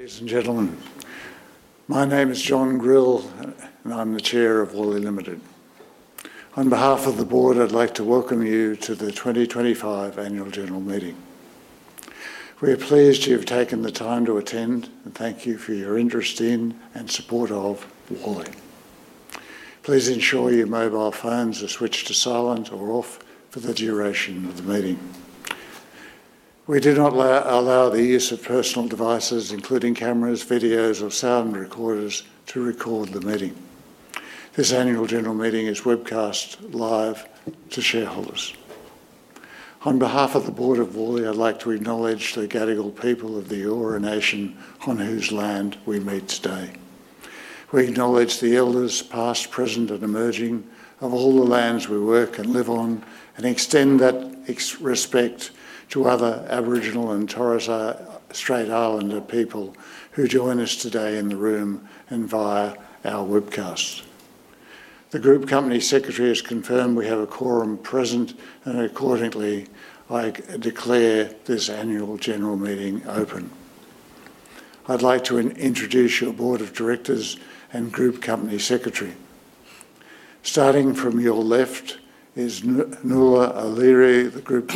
Ladies and gentlemen, my name is John Grill, and I'm the Chair of Worley Limited. On behalf of the Board, I'd like to welcome you to the 2025 Annual General Meeting. We are pleased you have taken the time to attend, and thank you for your interest in and support of Worley. Please ensure your mobile phones are switched to silent or off for the duration of the meeting. We do not allow the use of personal devices, including cameras, videos, or sound recorders, to record the meeting. This Annual General Meeting is webcast live to shareholders. On behalf of the Board of Worley, I'd like to acknowledge the Gadigal people of the Eora Nation, on whose land we meet today. We acknowledge the elders, past, present, and emerging of all the lands we work and live on, and extend that respect to other Aboriginal and Torres Strait Islander people who join us today in the room and via our webcast. The Group Company Secretary has confirmed we have a quorum present, and accordingly, I declare this Annual General Meeting open. I'd like to introduce your Board of Directors and Group Company Secretary. Starting from your left is Nuala OLeary, the Group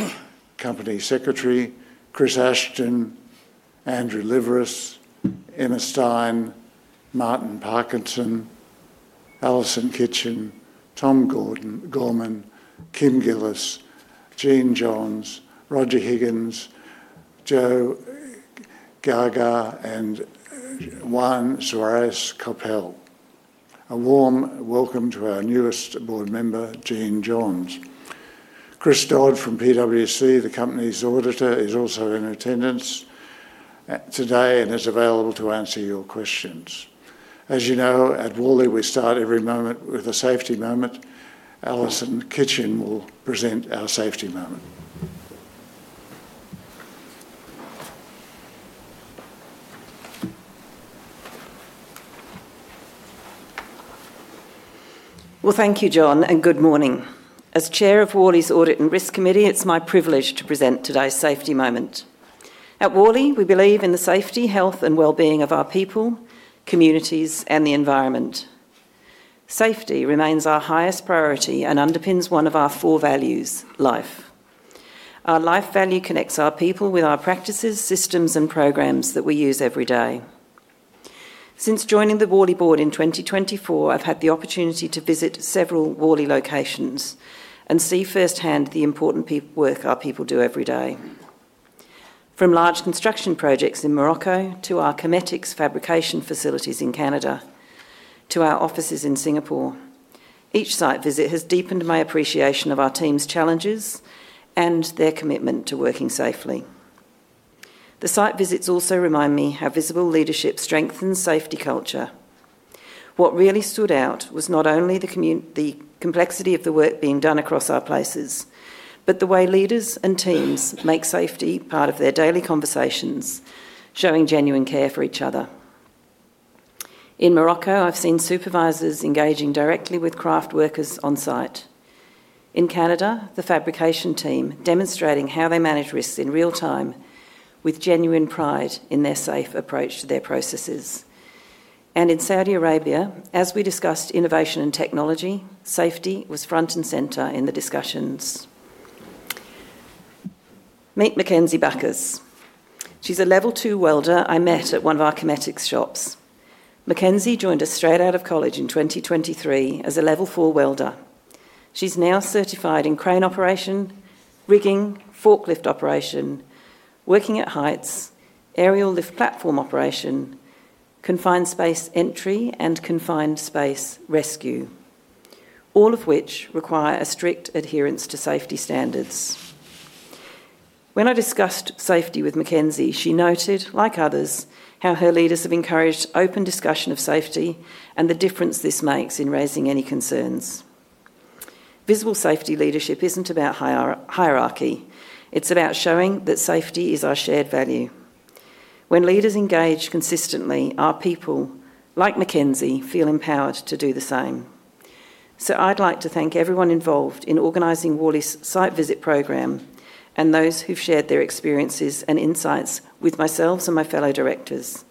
Company Secretary; Chris Ashton; Andrew Liveris; Emma Stein; Martin Parkinson; Alison Kitchen; Tom Gorman; Kim Gillis; Jeanne Johns; Roger Higgins; Joe Geagea; and Juan Suárez Coppel. A warm welcome to our newest board member, Jeanne Johns. Chris Dodd from PwC, the Company's Auditor, is also in attendance today and is available to answer your questions. As you know, at Worley, we start every moment with a safety moment. Alison Kitchen will present our safety moment. Thank you, John, and good morning. As Chair of Worley's Audit and Risk Committee, it's my privilege to present today's safety moment. At Worley, we believe in the safety, health, and well-being of our people, communities, and the environment. Safety remains our highest priority and underpins one of our four values: life. Our life value connects our people with our practices, systems, and programs that we use every day. Since joining the Worley Board in 2024, I've had the opportunity to visit several Worley locations and see firsthand the important work our people do every day. From large construction projects in Morocco to our Chemetics fabrication facilities in Canada to our offices in Singapore, each site visit has deepened my appreciation of our team's challenges and their commitment to working safely. The site visits also remind me how visible leadership strengthens safety culture. What really stood out was not only the complexity of the work being done across our places, but the way leaders and teams make safety part of their daily conversations, showing genuine care for each other. In Morocco, I have seen supervisors engaging directly with craft workers on site. In Canada, the fabrication team demonstrating how they manage risks in real time with genuine pride in their safe approach to their processes. In Saudi Arabia, as we discussed innovation and technology, safety was front and center in the discussions. Meet [Mackenzie Backers]. She is a Level 2 welder I met at one of our Chemetics shops. [Mackenzie] joined us straight out of college in 2023 as a Level 4 welder. She's now certified in crane operation, rigging, forklift operation, working at heights, aerial lift platform operation, confined space entry, and confined space rescue, all of which require a strict adherence to safety standards. When I discussed safety with [Mackenzie], she noted, like others, how her leaders have encouraged open discussion of safety and the difference this makes in raising any concerns. Visible safety leadership is not about hierarchy; it is about showing that safety is our shared value. When leaders engage consistently, our people, like [Mackenzie], feel empowered to do the same. I would like to thank everyone involved in organizing Worley's site visit program and those who have shared their experiences and insights with myself and my fellow directors.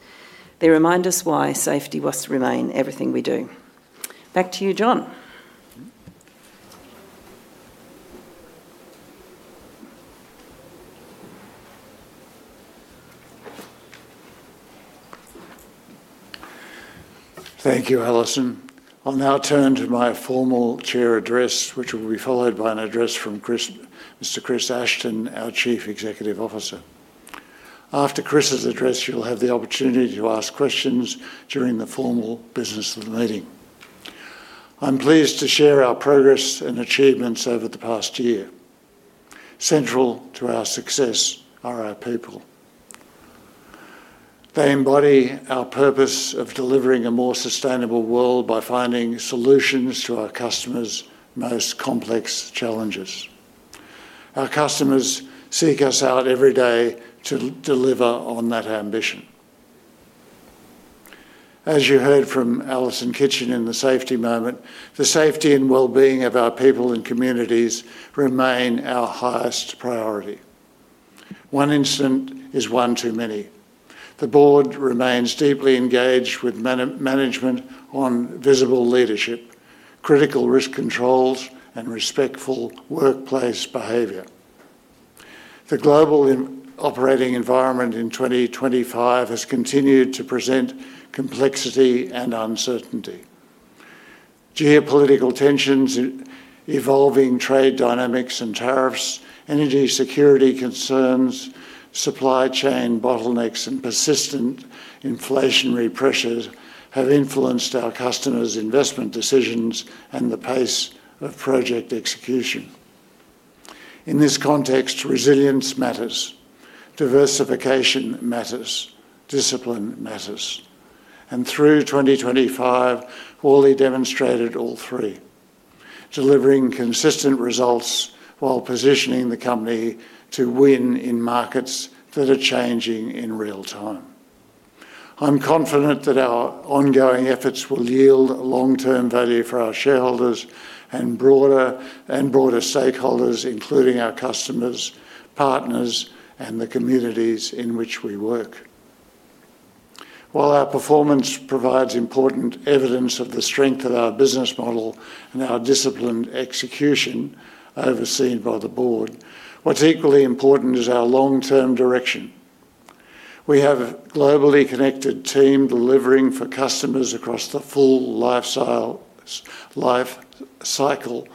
They remind us why safety must remain everything we do. Back to you, John. Thank you, Alison. I'll now turn to my formal chair address, which will be followed by an address from Mr. Chris Ashton, our Chief Executive Officer. After Chris's address, you'll have the opportunity to ask questions during the formal business of the meeting. I'm pleased to share our progress and achievements over the past year. Central to our success are our people. They embody our purpose of delivering a more sustainable world by finding solutions to our customers' most complex challenges. Our customers seek us out every day to deliver on that ambition. As you heard from Alison Kitchen in the safety moment, the safety and well-being of our people and communities remain our highest priority. One incident is one too many. The Board remains deeply engaged with management on visible leadership, critical risk controls, and respectful workplace behaviour. The global operating environment in 2025 has continued to present complexity and uncertainty. Geopolitical tensions, evolving trade dynamics and tariffs, energy security concerns, supply chain bottlenecks, and persistent inflationary pressures have influenced our customers' investment decisions and the pace of project execution. In this context, resilience matters. Diversification matters. Discipline matters. Through 2025, Worley demonstrated all three, delivering consistent results while positioning the company to win in markets that are changing in real time. I'm confident that our ongoing efforts will yield long-term value for our shareholders and broader stakeholders, including our customers, partners, and the communities in which we work. While our performance provides important evidence of the strength of our business model and our disciplined execution overseen by the Board, what's equally important is our long-term direction. We have a globally connected team delivering for customers across the full life cycle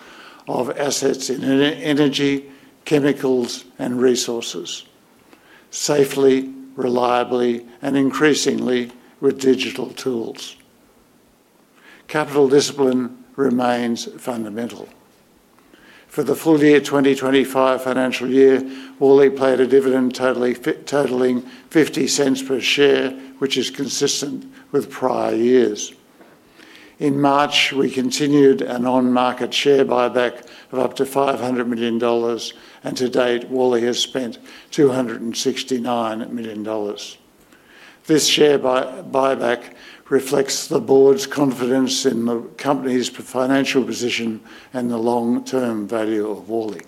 of assets in energy, chemicals, and resources, safely, reliably, and increasingly with digital tools. Capital discipline remains fundamental. For the full year 2025 financial year, Worley paid a dividend totaling 0.50 per share, which is consistent with prior years. In March, we continued an on-market share buyback of up to 500 million dollars, and to date, Worley has spent 269 million dollars. This share buyback reflects the Board's confidence in the Company's financial position and the long-term value of Worley.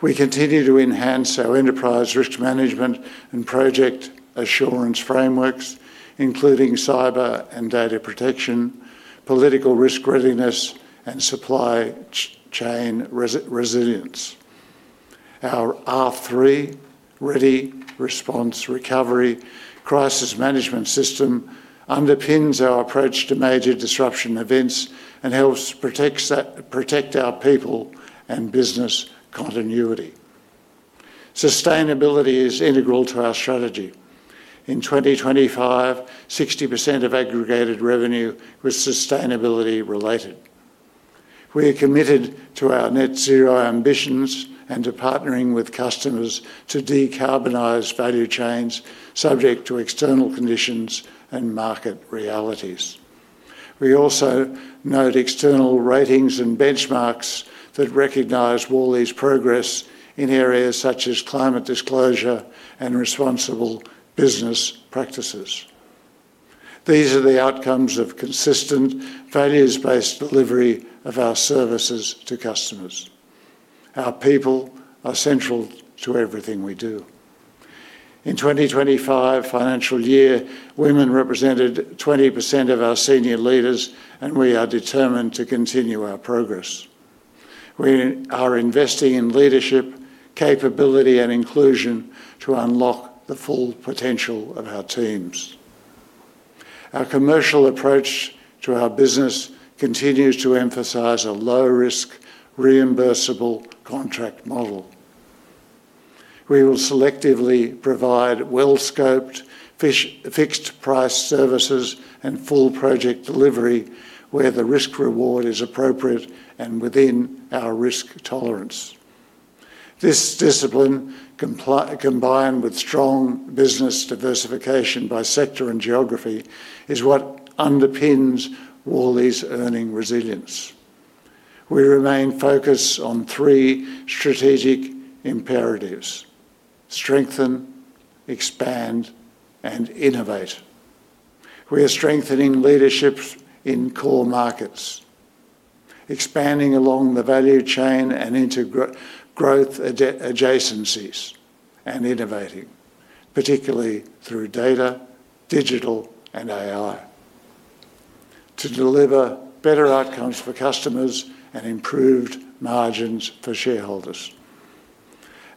We continue to enhance our enterprise risk management and project assurance frameworks, including cyber and data protection, political risk readiness, and supply chain resilience. Our R3, Ready Response Recovery crisis management system, underpins our approach to major disruption events and helps protect our people and business continuity. Sustainability is integral to our strategy. In 2025, 60% of aggregated revenue was sustainability-related. We are committed to our net-zero ambitions and to partnering with customers to decarbonize value chains subject to external conditions and market realities. We also note external ratings and benchmarks that recognize Worley's progress in areas such as climate disclosure and responsible business practices. These are the outcomes of consistent, values-based delivery of our services to customers. Our people are central to everything we do. In 2025 financial year, women represented 20% of our senior leaders, and we are determined to continue our progress. We are investing in leadership, capability, and inclusion to unlock the full potential of our teams. Our commercial approach to our business continues to emphasize a low-risk, reimbursable contract model. We will selectively provide well-scoped, fixed-price services and full project delivery where the risk-reward is appropriate and within our risk tolerance. This discipline, combined with strong business diversification by sector and geography, is what underpins Worley's earning resilience. We remain focused on three strategic imperatives: strengthen, expand, and innovate. We are strengthening leadership in core markets, expanding along the value chain and growth adjacencies, and innovating, particularly through data, digital, and AI, to deliver better outcomes for customers and improved margins for shareholders.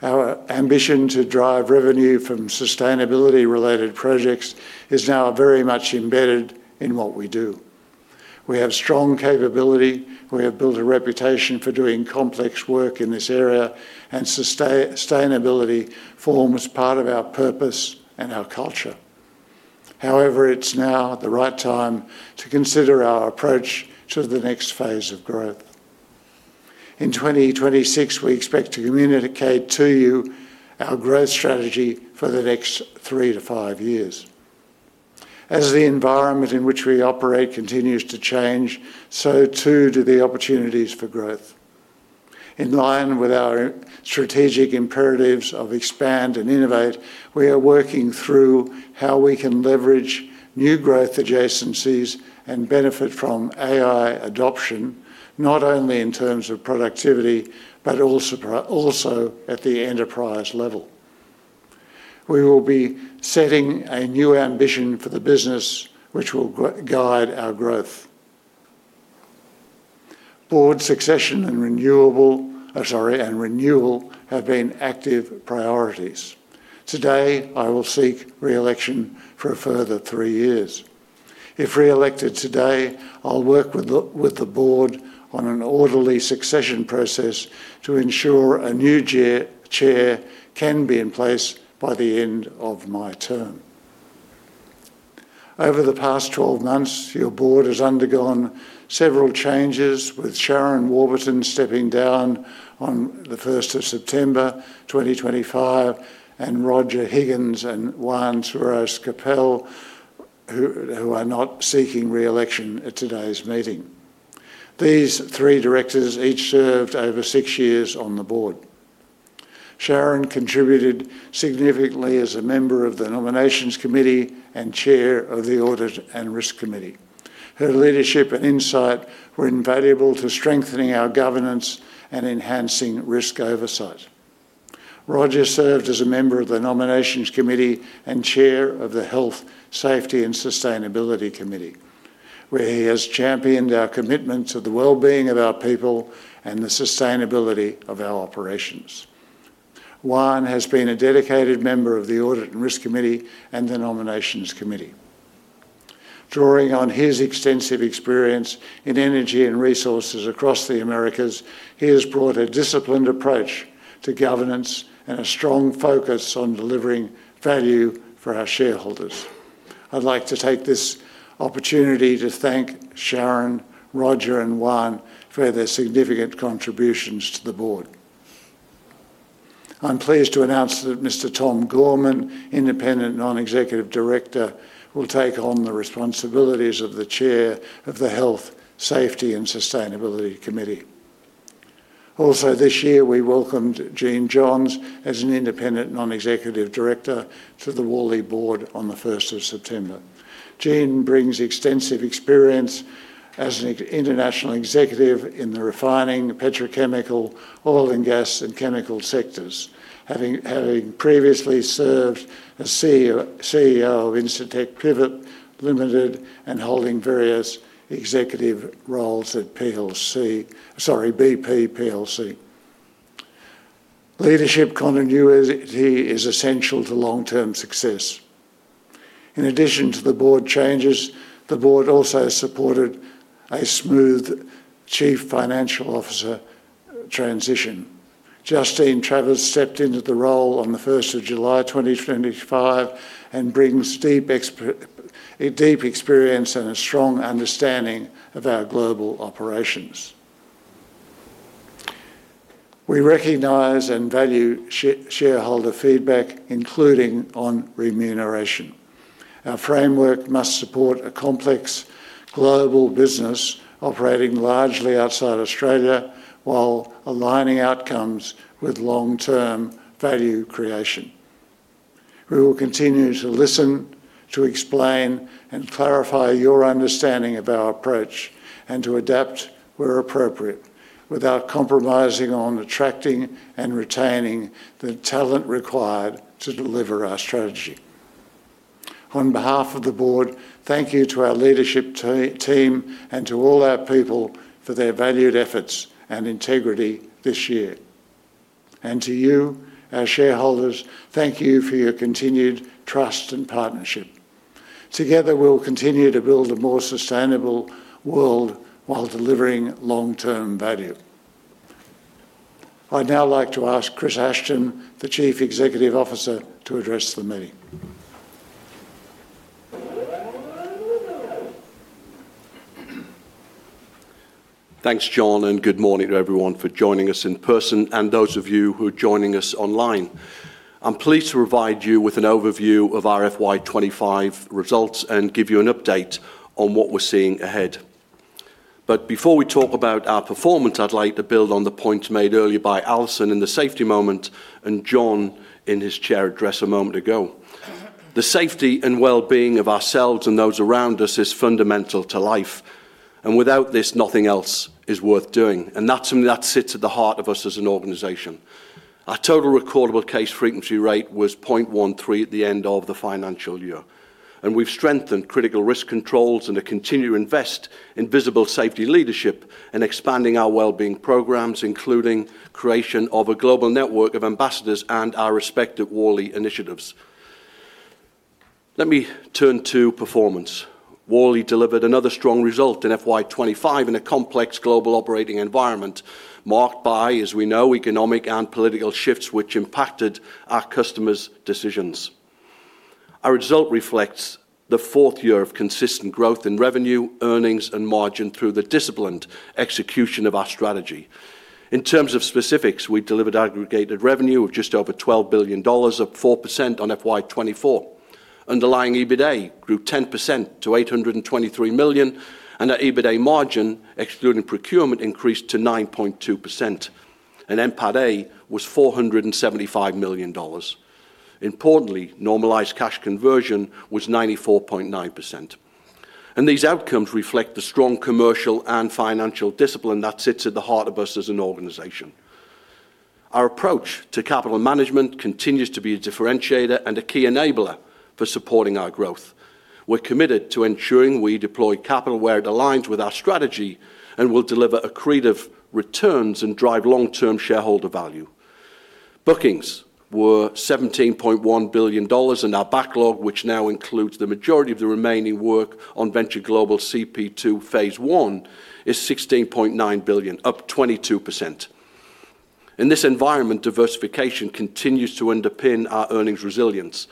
Our ambition to drive revenue from sustainability-related projects is now very much embedded in what we do. We have strong capability. We have built a reputation for doing complex work in this area, and sustainability forms part of our purpose and our culture. However, it's now the right time to consider our approach to the next phase of growth. In 2026, we expect to communicate to you our growth strategy for the next three to five years. As the environment in which we operate continues to change, so too do the opportunities for growth. In line with our strategic imperatives of expand and innovate, we are working through how we can leverage new growth adjacencies and benefit from AI adoption, not only in terms of productivity but also at the enterprise level. We will be setting a new ambition for the business, which will guide our growth. Board succession and renewal have been active priorities. Today, I will seek re-election for a further three years. If re-elected today, I'll work with the Board on an orderly succession process to ensure a new chair can be in place by the end of my term. Over the past 12 months, your Board has undergone several changes, with Sharon Warburton stepping down on the 1st of September 2025 and Roger Higgins and Juan Suárez Coppel, who are not seeking re-election at today's meeting. These three directors each served over six years on the Board. Sharon contributed significantly as a member of the Nominations Committee and Chair of the Audit and Risk Committee. Her leadership and insight were invaluable to strengthening our governance and enhancing risk oversight. Roger served as a member of the Nominations Committee and Chair of the Health, Safety, and Sustainability Committee, where he has championed our commitment to the well-being of our people and the sustainability of our operations. Juan has been a dedicated member of the Audit and Risk Committee and the Nominations Committee. Drawing on his extensive experience in energy and resources across the Americas, he has brought a disciplined approach to governance and a strong focus on delivering value for our shareholders. I'd like to take this opportunity to thank Sharon, Roger, and Juan for their significant contributions to the Board. I'm pleased to announce that Mr. Tom Gorman, Independent Non-Executive Director, will take on the responsibilities of the Chair of the Health, Safety, and Sustainability Committee. Also, this year, we welcomed Jeanne Johns as an Independent Non-Executive Director to the Worley Board on the 1st of September. Jeanne brings extensive experience as an international executive in the refining, petrochemical, oil and gas, and chemical sectors, having previously served as CEO of Incitec Pivot Limited and holding various executive roles at BP. Leadership continuity is essential to long-term success. In addition to the Board changes, the Board also supported a smooth Chief Financial Officer transition. Justine Travers stepped into the role on the 1st of July 2025 and brings deep experience and a strong understanding of our global operations. We recognize and value shareholder feedback, including on remuneration. Our framework must support a complex global business operating largely outside Australia while aligning outcomes with long-term value creation. We will continue to listen, to explain, and clarify your understanding of our approach and to adapt where appropriate without compromising on attracting and retaining the talent required to deliver our strategy. On behalf of the Board, thank you to our leadership team and to all our people for their valued efforts and integrity this year. To you, our shareholders, thank you for your continued trust and partnership. Together, we will continue to build a more sustainable world while delivering long-term value. I'd now like to ask Chris Ashton, the Chief Executive Officer, to address the meeting. Thanks, John, and good morning to everyone for joining us in person and those of you who are joining us online. I'm pleased to provide you with an overview of our FY 2025 results and give you an update on what we're seeing ahead. Before we talk about our performance, I'd like to build on the points made earlier by Alison in the safety moment and John in his chair address a moment ago. The safety and well-being of ourselves and those around us is fundamental to life, and without this, nothing else is worth doing. That's something that sits at the heart of us as an organization. Our total recordable case frequency rate was 0.13x at the end of the financial year. We have strengthened critical risk controls and are continuing to invest in visible safety leadership and expanding our well-being programs, including creation of a global network of ambassadors and our respective Worley initiatives. Let me turn to performance. Worley delivered another strong result in FY 2025 in a complex global operating environment marked by, as we know, economic and political shifts which impacted our customers' decisions. Our result reflects the fourth year of consistent growth in revenue, earnings, and margin through the disciplined execution of our strategy. In terms of specifics, we delivered aggregated revenue of just over 12 billion dollars, up 4% on FY 2024. Underlying EBITDA grew 10% to 823 million, and our EBITDA margin, excluding procurement, increased to 9.2%. NPATA was AUD 475 million. Importantly, normalised cash conversion was 94.9%. These outcomes reflect the strong commercial and financial discipline that sits at the heart of us as an organisation. Our approach to capital management continues to be a differentiator and a key enabler for supporting our growth. We're committed to ensuring we deploy capital where it aligns with our strategy and will deliver accretive returns and drive long-term shareholder value. Bookings were $17.1 billion, and our backlog, which now includes the majority of the remaining work on Venture Global CP2 Phase 1, is $16.9 billion, up 22%. In this environment, diversification continues to underpin our earnings resilience.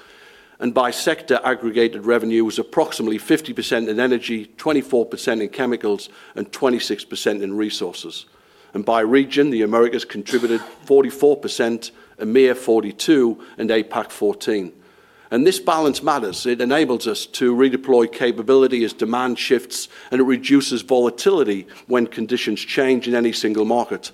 By sector, aggregated revenue was approximately 50% in energy, 24% in chemicals, and 26% in resources. By region, the Americas contributed 44%, EMEA 42%, and APAC 14%. This balance matters. It enables us to redeploy capability as demand shifts, and it reduces volatility when conditions change in any single market.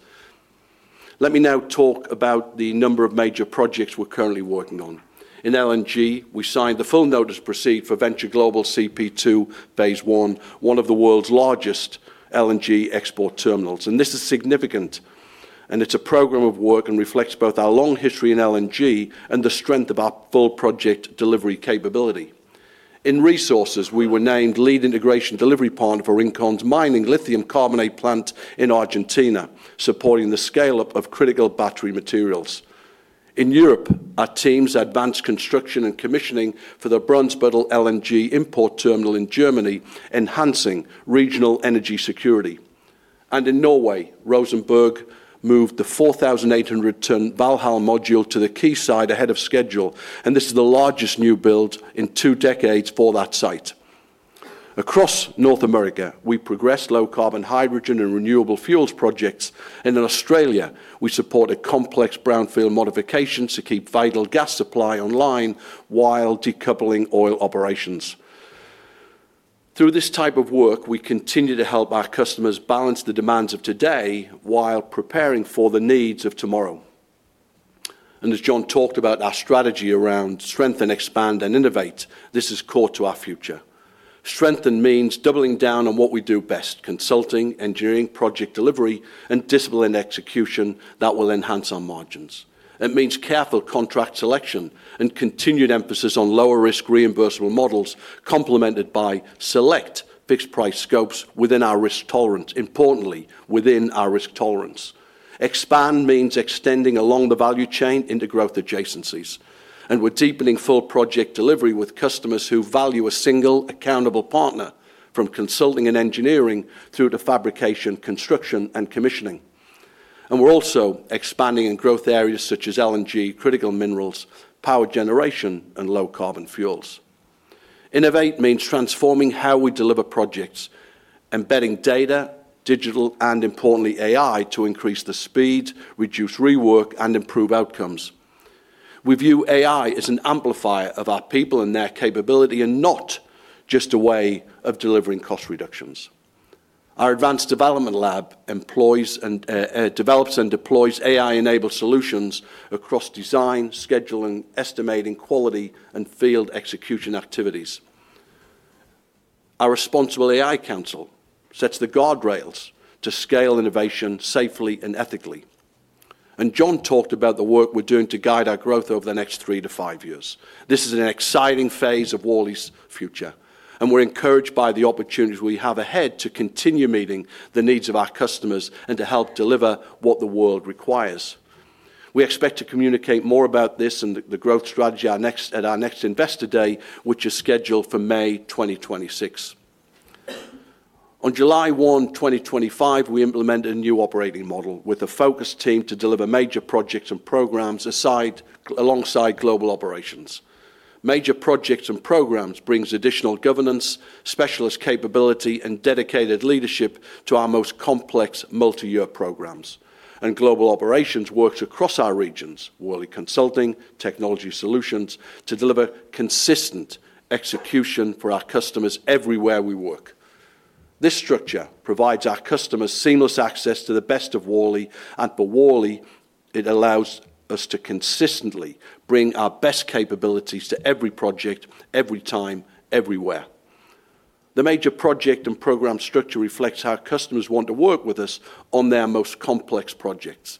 Let me now talk about the number of major projects we're currently working on. In LNG, we signed the Full Notice Proceed for Venture Global CP2 Phase 1, one of the world's largest LNG export terminals. This is significant, and it's a program of work and reflects both our long history in LNG and the strength of our full project delivery capability. In resources, we were named lead integration delivery partner for Rincon's mining lithium carbonate plant in Argentina, supporting the scale-up of critical battery materials. In Europe, our teams advanced construction and commissioning for the Brunsbüttel LNG import terminal in Germany, enhancing regional energy security. In Norway, Rosenberg moved the 4,800-ton Valhal module to the quayside ahead of schedule, and this is the largest new build in two decades for that site. Across North America, we progressed low-carbon hydrogen and renewable fuels projects, and in Australia, we supported complex brownfield modifications to keep vital gas supply online while decoupling oil operations. Through this type of work, we continue to help our customers balance the demands of today while preparing for the needs of tomorrow. As John talked about our strategy around strengthen, expand, and innovate, this has caught to our future. Strengthen means doubling down on what we do best: consulting, engineering, project delivery, and discipline execution that will enhance our margins. It means careful contract selection and continued emphasis on lower-risk reimbursable models, complemented by select fixed-price scopes within our risk tolerance, importantly, within our risk tolerance. Expand means extending along the value chain into growth adjacencies. We are deepening full project delivery with customers who value a single, accountable partner, from consulting and engineering through to fabrication, construction, and commissioning. We are also expanding in growth areas such as LNG, critical minerals, power generation, and low-carbon fuels. Innovate means transforming how we deliver projects, embedding data, digital, and importantly, AI, to increase the speed, reduce rework, and improve outcomes. We view AI as an amplifier of our people and their capability and not just a way of delivering cost reductions. Our Advanced Development Lab develops and deploys AI-enabled solutions across design, scheduling, estimating, quality, and field execution activities. Our Responsible AI Council sets the guardrails to scale innovation safely and ethically. John talked about the work we're doing to guide our growth over the next three to five years. This is an exciting phase of Worley's future, and we're encouraged by the opportunities we have ahead to continue meeting the needs of our customers and to help deliver what the world requires. We expect to communicate more about this and the growth strategy at our next investor day, which is scheduled for May 2026. On July 1, 2025, we implement a new operating model with a focused team to deliver major projects and programs alongside global operations. Major projects and programs bring additional governance, specialist capability, and dedicated leadership to our most complex multi-year programs. Global operations works across our regions, Worley Consulting, Technology Solutions, to deliver consistent execution for our customers everywhere we work. This structure provides our customers seamless access to the best of Worley, and for Worley, it allows us to consistently bring our best capabilities to every project, every time, everywhere. The major project and program structure reflects how customers want to work with us on their most complex projects.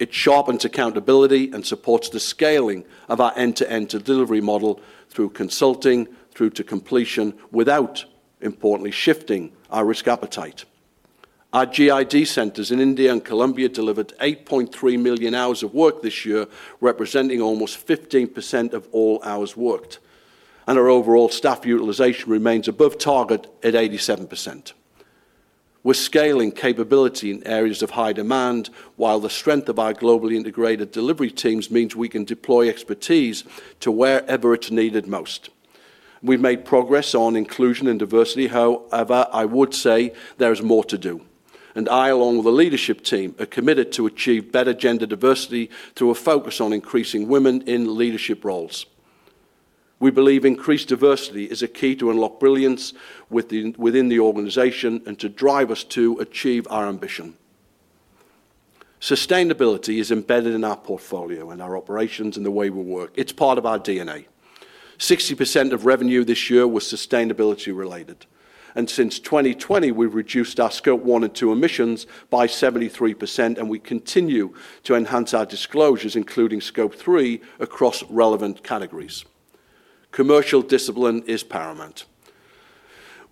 It sharpens accountability and supports the scaling of our end-to-end delivery model through consulting, through to completion, without, importantly, shifting our risk appetite. Our GID centers in India and Colombia delivered 8.3 million hours of work this year, representing almost 15% of all hours worked. Our overall staff utilization remains above target at 87%. We are scaling capability in areas of high demand, while the strength of our globally integrated delivery teams means we can deploy expertise to wherever it is needed most. We have made progress on inclusion and diversity. However, I would say there is more to do. I, along with the leadership team, am committed to achieving better gender diversity through a focus on increasing women in leadership roles. We believe increased diversity is a key to unlock brilliance within the organization and to drive us to achieve our ambition. Sustainability is embedded in our portfolio and our operations and the way we work. It is part of our DNA. 60% of revenue this year was sustainability-related. Since 2020, we've reduced our Scope 1 and 2 emissions by 73%, and we continue to enhance our disclosures, including Scope 3, across relevant categories. Commercial discipline is paramount.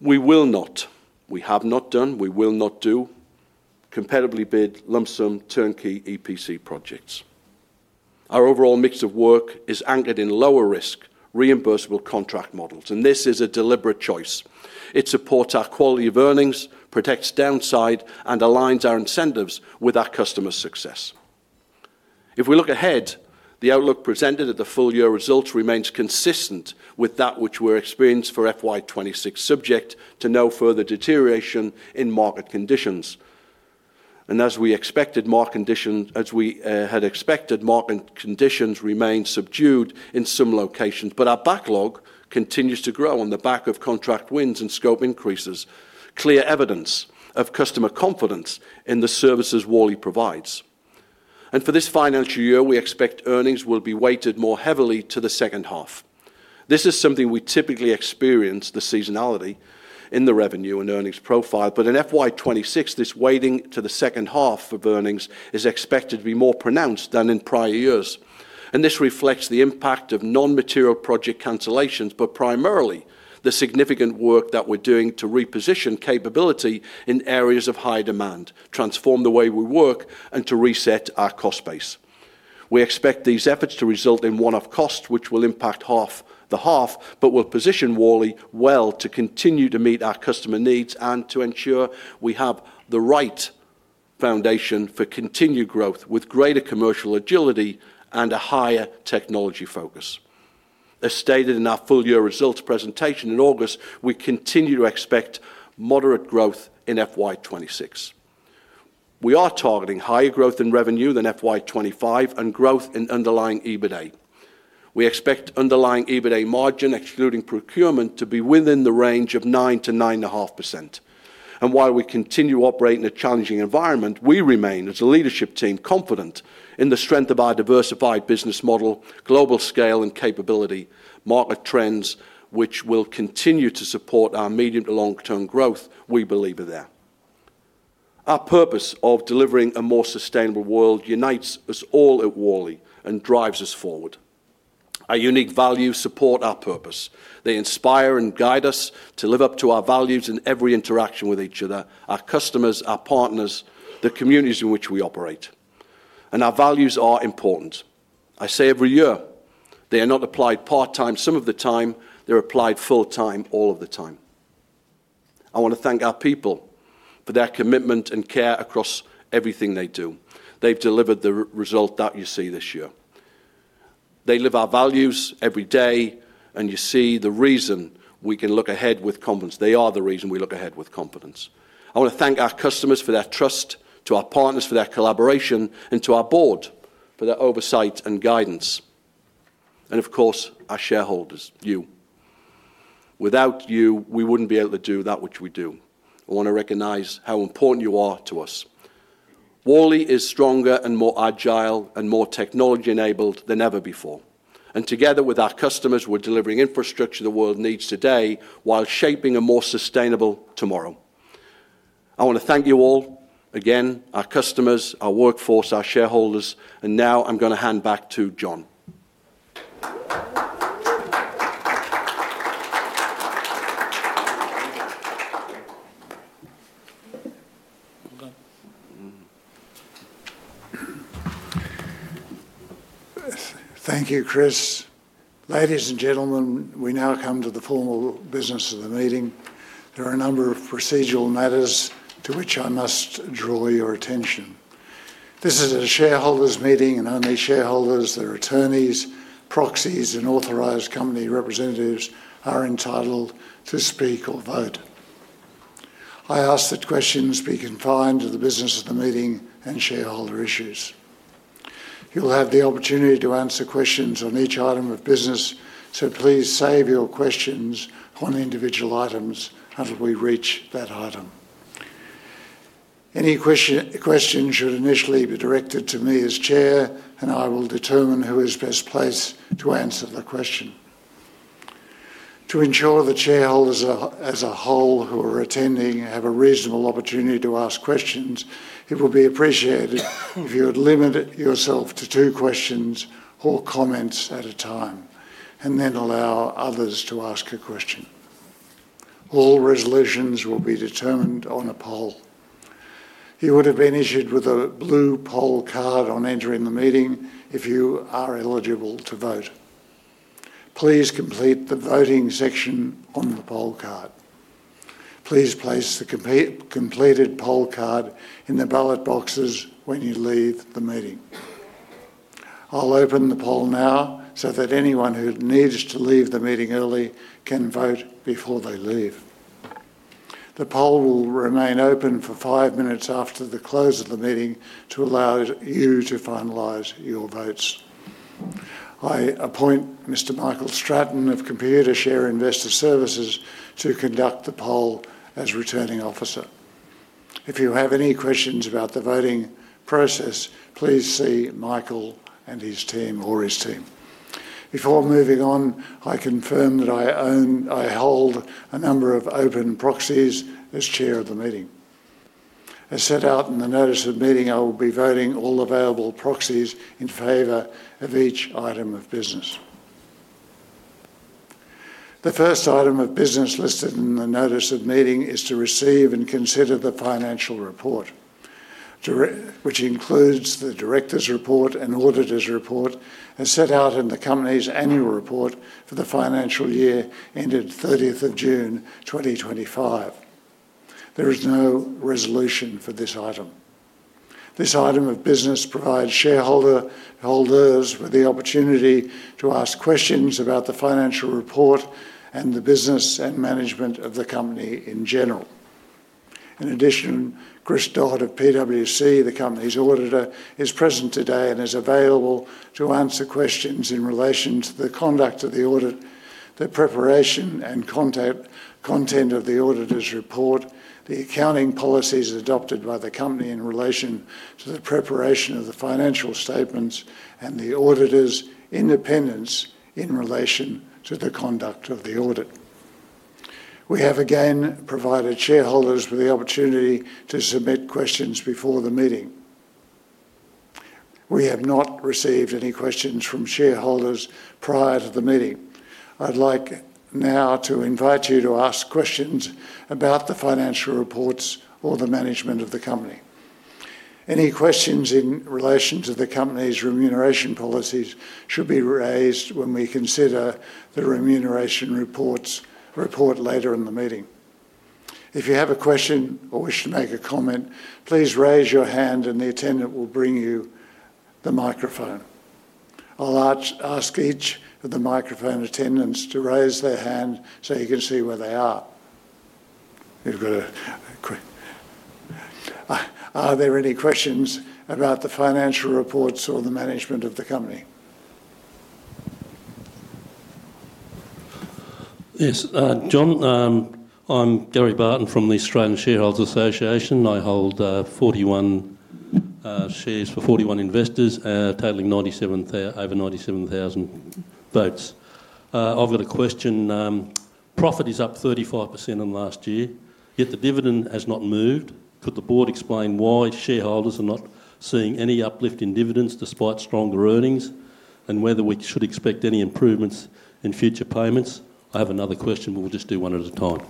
We will not, we have not done, we will not do comparably bid lump sum turnkey EPC projects. Our overall mix of work is anchored in lower-risk reimbursable contract models, and this is a deliberate choice. It supports our quality of earnings, protects downside, and aligns our incentives with our customer success. If we look ahead, the outlook presented at the full year results remains consistent with that which we're experiencing for FY 2026 subject to no further deterioration in market conditions. As we expected, market conditions remain subdued in some locations, but our backlog continues to grow on the back of contract wins and scope increases, clear evidence of customer confidence in the services Worley provides. For this financial year, we expect earnings will be weighted more heavily to the second half. This is something we typically experience, the seasonality in the revenue and earnings profile. In FY 2026, this weighting to the second half of earnings is expected to be more pronounced than in prior years. This reflects the impact of non-material project cancellations, but primarily the significant work that we are doing to reposition capability in areas of high demand, transform the way we work, and to reset our cost base. We expect these efforts to result in one-off costs, which will impact half the half, but will position Worley well to continue to meet our customer needs and to ensure we have the right foundation for continued growth with greater commercial agility and a higher technology focus. As stated in our full year results presentation in August, we continue to expect moderate growth in FY26. We are targeting higher growth in revenue than FY 2025 and growth in underlying EBITDA. We expect underlying EBITDA margin, excluding procurement, to be within the range of 9%-9.5%. While we continue operating in a challenging environment, we remain, as a leadership team, confident in the strength of our diversified business model, global scale, and capability market trends, which will continue to support our medium to long-term growth. We believe in that. Our purpose of delivering a more sustainable world unites us all at Worley and drives us forward. Our unique values support our purpose. They inspire and guide us to live up to our values in every interaction with each other, our customers, our partners, the communities in which we operate. Our values are important. I say every year, they are not applied part-time some of the time, they are applied full-time all of the time. I want to thank our people for their commitment and care across everything they do. They have delivered the result that you see this year. They live our values every day, and you see the reason we can look ahead with confidence. They are the reason we look ahead with confidence. I want to thank our customers for their trust, to our partners for their collaboration, and to our board for their oversight and guidance. Of course, our shareholders, you. Without you, we would not be able to do that which we do. I want to recognize how important you are to us. Worley is stronger and more agile and more technology-enabled than ever before. Together with our customers, we're delivering infrastructure the world needs today while shaping a more sustainable tomorrow. I want to thank you all again, our customers, our workforce, our shareholders. I am going to hand back to John. Thank you, Chris. Ladies and gentlemen, we now come to the formal business of the meeting. There are a number of procedural matters to which I must draw your attention. This is a shareholders' meeting, and only shareholders, their attorneys, proxies, and authorized company representatives are entitled to speak or vote. I ask that questions be confined to the business of the meeting and shareholder issues. You will have the opportunity to answer questions on each item of business, so please save your questions on individual items until we reach that item. Any question should initially be directed to me as Chair, and I will determine who is best placed to answer the question. To ensure the shareholders as a whole who are attending have a reasonable opportunity to ask questions, it would be appreciated if you would limit yourself to two questions or comments at a time, and then allow others to ask a question. All resolutions will be determined on a poll. You would have been issued with a blue poll card on entering the meeting if you are eligible to vote. Please complete the voting section on the poll card. Please place the completed poll card in the ballot boxes when you leave the meeting. I'll open the poll now so that anyone who needs to leave the meeting early can vote before they leave. The poll will remain open for five minutes after the close of the meeting to allow you to finalize your votes. I appoint Mr. Michael Stratton of Computershare Investor Services to conduct the poll as returning officer. If you have any questions about the voting process, please see Michael and his team. Before moving on, I confirm that I hold a number of open proxies as Chair of the meeting. As set out in the notice of meeting, I will be voting all available proxies in favor of each item of business. The first item of business listed in the notice of meeting is to receive and consider the financial report, which includes the directors' report and auditor's report, as set out in the company's annual report for the financial year ended 30th of June 2025. There is no resolution for this item. This item of business provides shareholders with the opportunity to ask questions about the financial report and the business and management of the company in general. In addition, Chris Doherty of PwC, the company's auditor, is present today and is available to answer questions in relation to the conduct of the audit, the preparation and content of the auditor's report, the accounting policies adopted by the company in relation to the preparation of the financial statements, and the auditor's independence in relation to the conduct of the audit. We have again provided shareholders with the opportunity to submit questions before the meeting. We have not received any questions from shareholders prior to the meeting. I'd like now to invite you to ask questions about the financial reports or the management of the company. Any questions in relation to the company's remuneration policies should be raised when we consider the remuneration report later in the meeting. If you have a question or wish to make a comment, please raise your hand, and the attendant will bring you the microphone. I'll ask each of the microphone attendants to raise their hand so you can see where they are. Are there any questions about the financial reports or the management of the company? Yes, John. I'm Gary Barton from the Australian Shareholders Association. I hold 41 shares for 41 investors, totaling over 97,000 votes. I've got a question. Profit is up 35% in last year, yet the dividend has not moved. Could the board explain why shareholders are not seeing any uplift in dividends despite stronger earnings, and whether we should expect any improvements in future payments? I have another question. We'll just do one at a time.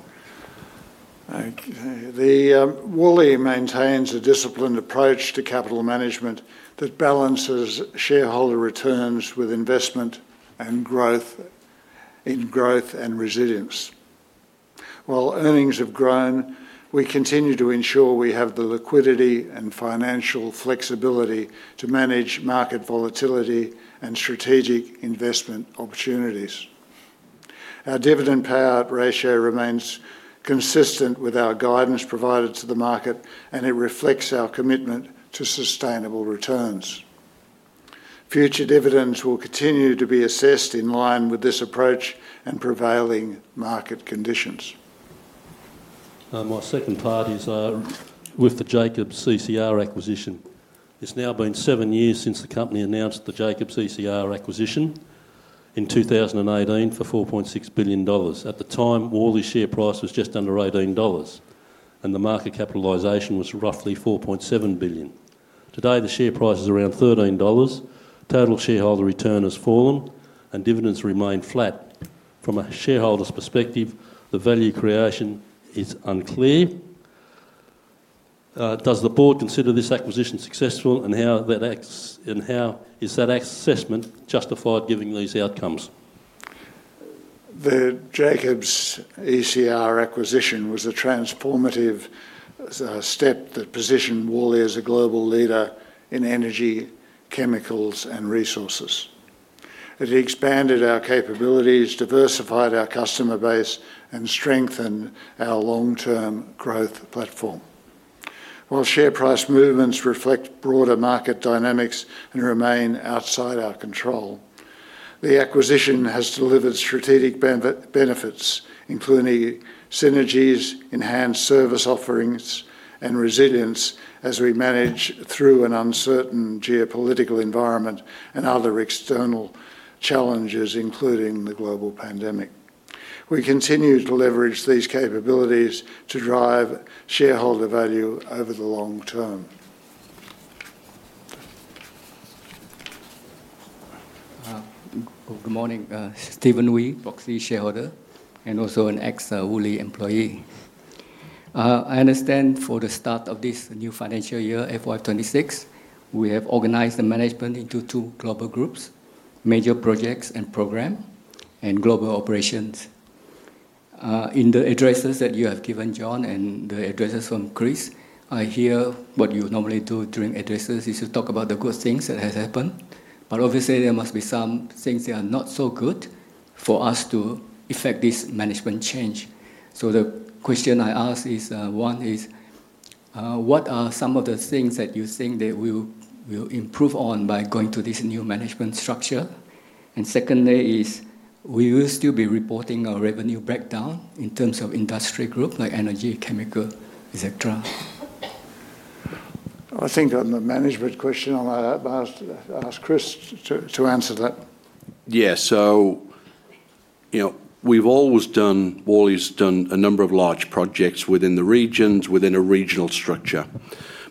Worley maintains a disciplined approach to capital management that balances shareholder returns with investment and growth in growth and resilience. While earnings have grown, we continue to ensure we have the liquidity and financial flexibility to manage market volatility and strategic investment opportunities. Our dividend payout ratio remains consistent with our guidance provided to the market, and it reflects our commitment to sustainable returns. Future dividends will continue to be assessed in line with this approach and prevailing market conditions. My second part is with the Jacobs ECR acquisition. It has now been seven years since the company announced the Jacobs ECR acquisition in 2018 for $4.6 billion. At the time, Worley's share price was just under 18 dollars, and the market capitalisation was roughly 4.7 billion. Today, the share price is around 13 dollars. Total shareholder return has fallen, and dividends remain flat. From a shareholder's perspective, the value creation is unclear. Does the board consider this acquisition successful, and how is that assessment justified giving these outcomes? The Jacobs ECR acquisition was a transformative step that positioned Worley as a global leader in energy, chemicals, and resources. It expanded our capabilities, diversified our customer base, and strengthened our long-term growth platform. While share price movements reflect broader market dynamics and remain outside our control, the acquisition has delivered strategic benefits, including synergies, enhanced service offerings, and resilience as we manage through an uncertain geopolitical environment and other external challenges, including the global pandemic. We continue to leverage these capabilities to drive shareholder value over the long term. Good morning, Stephen Wee, Proxy Shareholder, and also an ex-Worley employee. I understand for the start of this new financial year, FY 2026, we have organized the management into two global groups: major projects and program, and global operations. In the addresses that you have given, John, and the addresses from Chris, I hear what you normally do during addresses is you talk about the good things that have happened. Obviously, there must be some things that are not so good for us to affect this management change. The question I ask is, one, what are some of the things that you think they will improve on by going to this new management structure? Secondly, will you still be reporting our revenue breakdown in terms of industry groups like energy, chemical, etc.? I think on the management question, I might ask Chris to answer that. Yeah, so we've always done Worley's done a number of large projects within the regions, within a regional structure.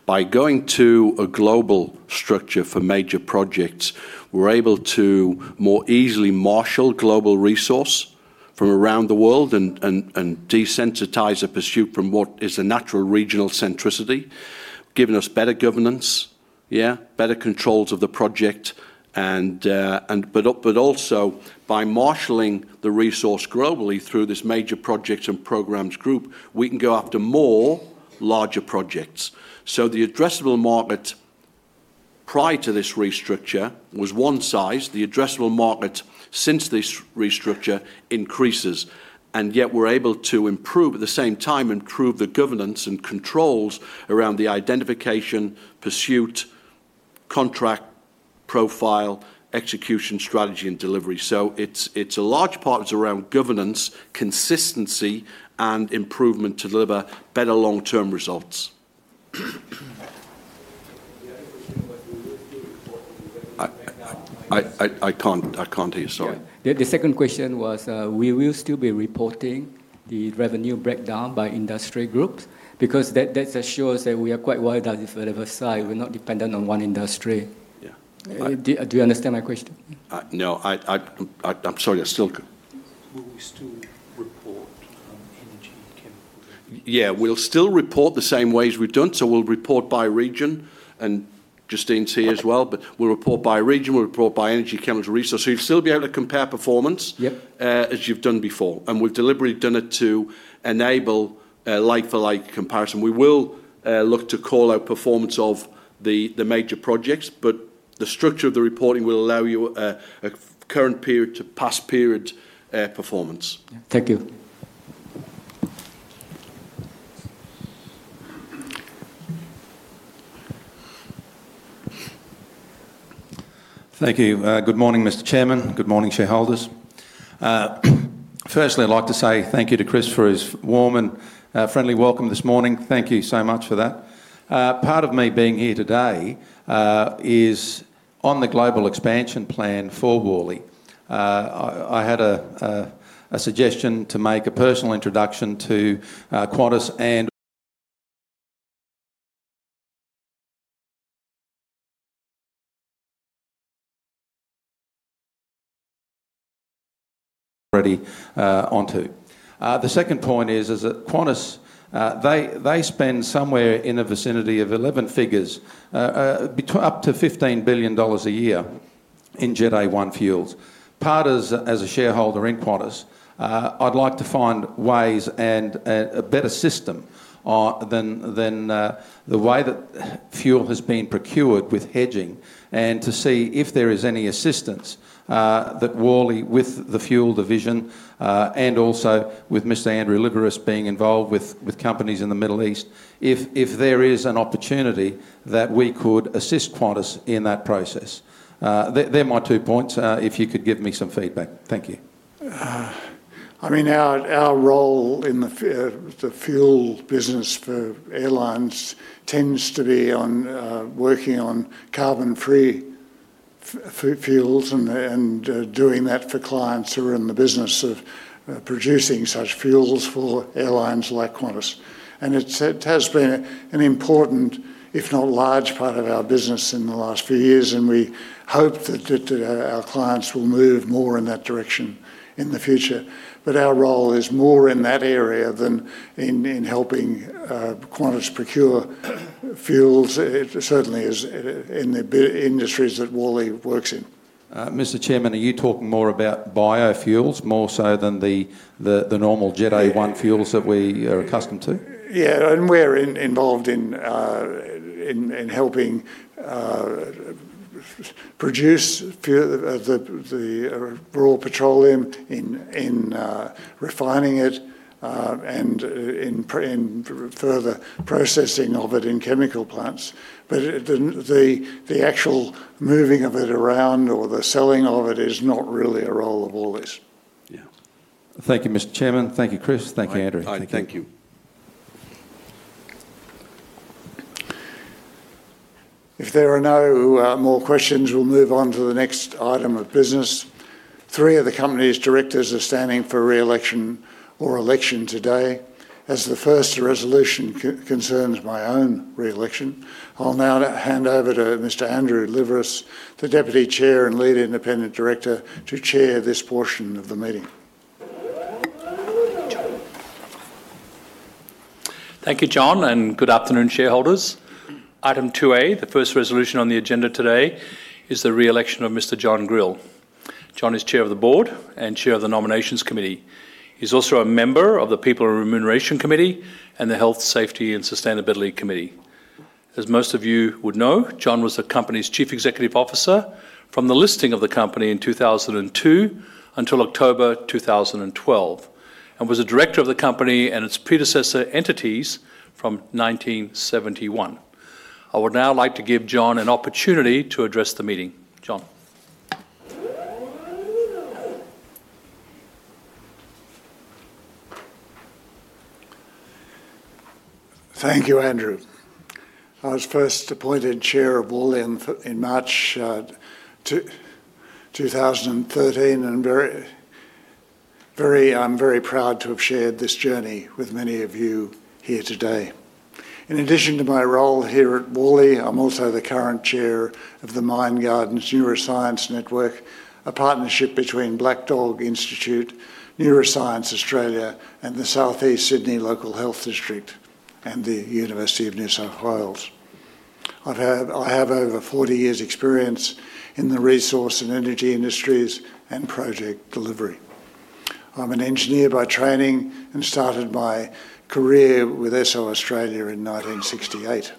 By going to a global structure for major projects, we're able to more easily marshal global resource from around the world and desensitize a pursuit from what is a natural regional centricity, giving us better governance, yeah, better controls of the project. Also, by marshaling the resource globally through this major projects and programs group, we can go after more larger projects. The addressable market prior to this restructure was one size. The addressable market since this restructure increases. Yet, we're able to improve at the same time and improve the governance and controls around the identification, pursuit, contract profile, execution strategy, and delivery. It's a large part that's around governance, consistency, and improvement to deliver better long-term results. I can't hear you, sorry. The second question was, will you still be reporting the revenue breakdown by industry groups? Because that assures that we are quite well diversified. We're not dependent on one industry. Do you understand my question? No, I'm sorry, I still. Will we still report energy chemicals? Yeah, we'll still report the same way as we've done. We'll report by region, and Justine's here as well. We'll report by region. We'll report by energy, chemicals, resources. You'll still be able to compare performance as you've done before. We've deliberately done it to enable like-for-like comparison. We will look to call out performance of the major projects, but the structure of the reporting will allow you a current period to past period performance. Thank you. Thank you. Good morning, Mr. Chairman. Good morning, shareholders. Firstly, I'd like to say thank you to Chris for his warm and friendly welcome this morning. Thank you so much for that. Part of me being here today is on the global expansion plan for Worley. I had a suggestion to make a personal introduction to Qantas and already onto. The second point is that Qantas, they spend somewhere in the vicinity of 11 figures, up to $15 billion a year in [Jet A-1] fuels. Part as a shareholder in Qantas, I'd like to find ways and a better system than the way that fuel has been procured with hedging and to see if there is any assistance that Worley with the fuel division and also with Mr. Andrew Liveris being involved with companies in the Middle East, if there is an opportunity that we could assist Qantas in that process. They're my two points. If you could give me some feedback. Thank you. I mean, our role in the fuel business for airlines tends to be on working on carbon-free fuels and doing that for clients who are in the business of producing such fuels for airlines like Qantas. It has been an important, if not large part of our business in the last few years, and we hope that our clients will move more in that direction in the future. Our role is more in that area than in helping Qantas procure fuels, certainly in the industries that Worley works in. Mr. Chairman, are you talking more about biofuels more so than the normal [Jet A-1] fuels that we are accustomed to? Yeah, and we're involved in helping produce the raw petroleum, in refining it, and in further processing of it in chemical plants. But the actual moving of it around or the selling of it is not really a role of Worley's. Yeah. Thank you, Mr. Chairman. Thank you, Chris. Thank you, Andrew. Thank you. If there are no more questions, we'll move on to the next item of business. Three of the company's directors are standing for re-election or election today. As the first resolution concerns my own re-election, I'll now hand over to Mr. Andrew Liveris, the Deputy Chair and Lead Independent Director, to chair this portion of the meeting. Thank you, John, and good afternoon, shareholders. Item 2A, the first resolution on the agenda today, is the re-election of Mr. John Grill. John is Chair of the Board and Chair of the Nominations Committee. He's also a member of the People and Remuneration Committee and the Health, Safety, and Sustainability Committee. As most of you would know, John was the company's Chief Executive Officer from the listing of the company in 2002 until October 2012, and was a director of the company and its predecessor entities from 1971. I would now like to give John an opportunity to address the meeting. John. Thank you, Andrew. I was first appointed Chair of Worley in March 2013, and I'm very proud to have shared this journey with many of you here today. In addition to my role here at Worley, I'm also the current Chair of the Mine Gardens Neuroscience Network, a partnership between Black Dog Institute, Neuroscience Australia, and the Southeast Sydney Local Health District and the University of New South Wales. I have over 40 years' experience in the resource and energy industries and project delivery. I'm an engineer by training and started my career with SO Australia in 1968.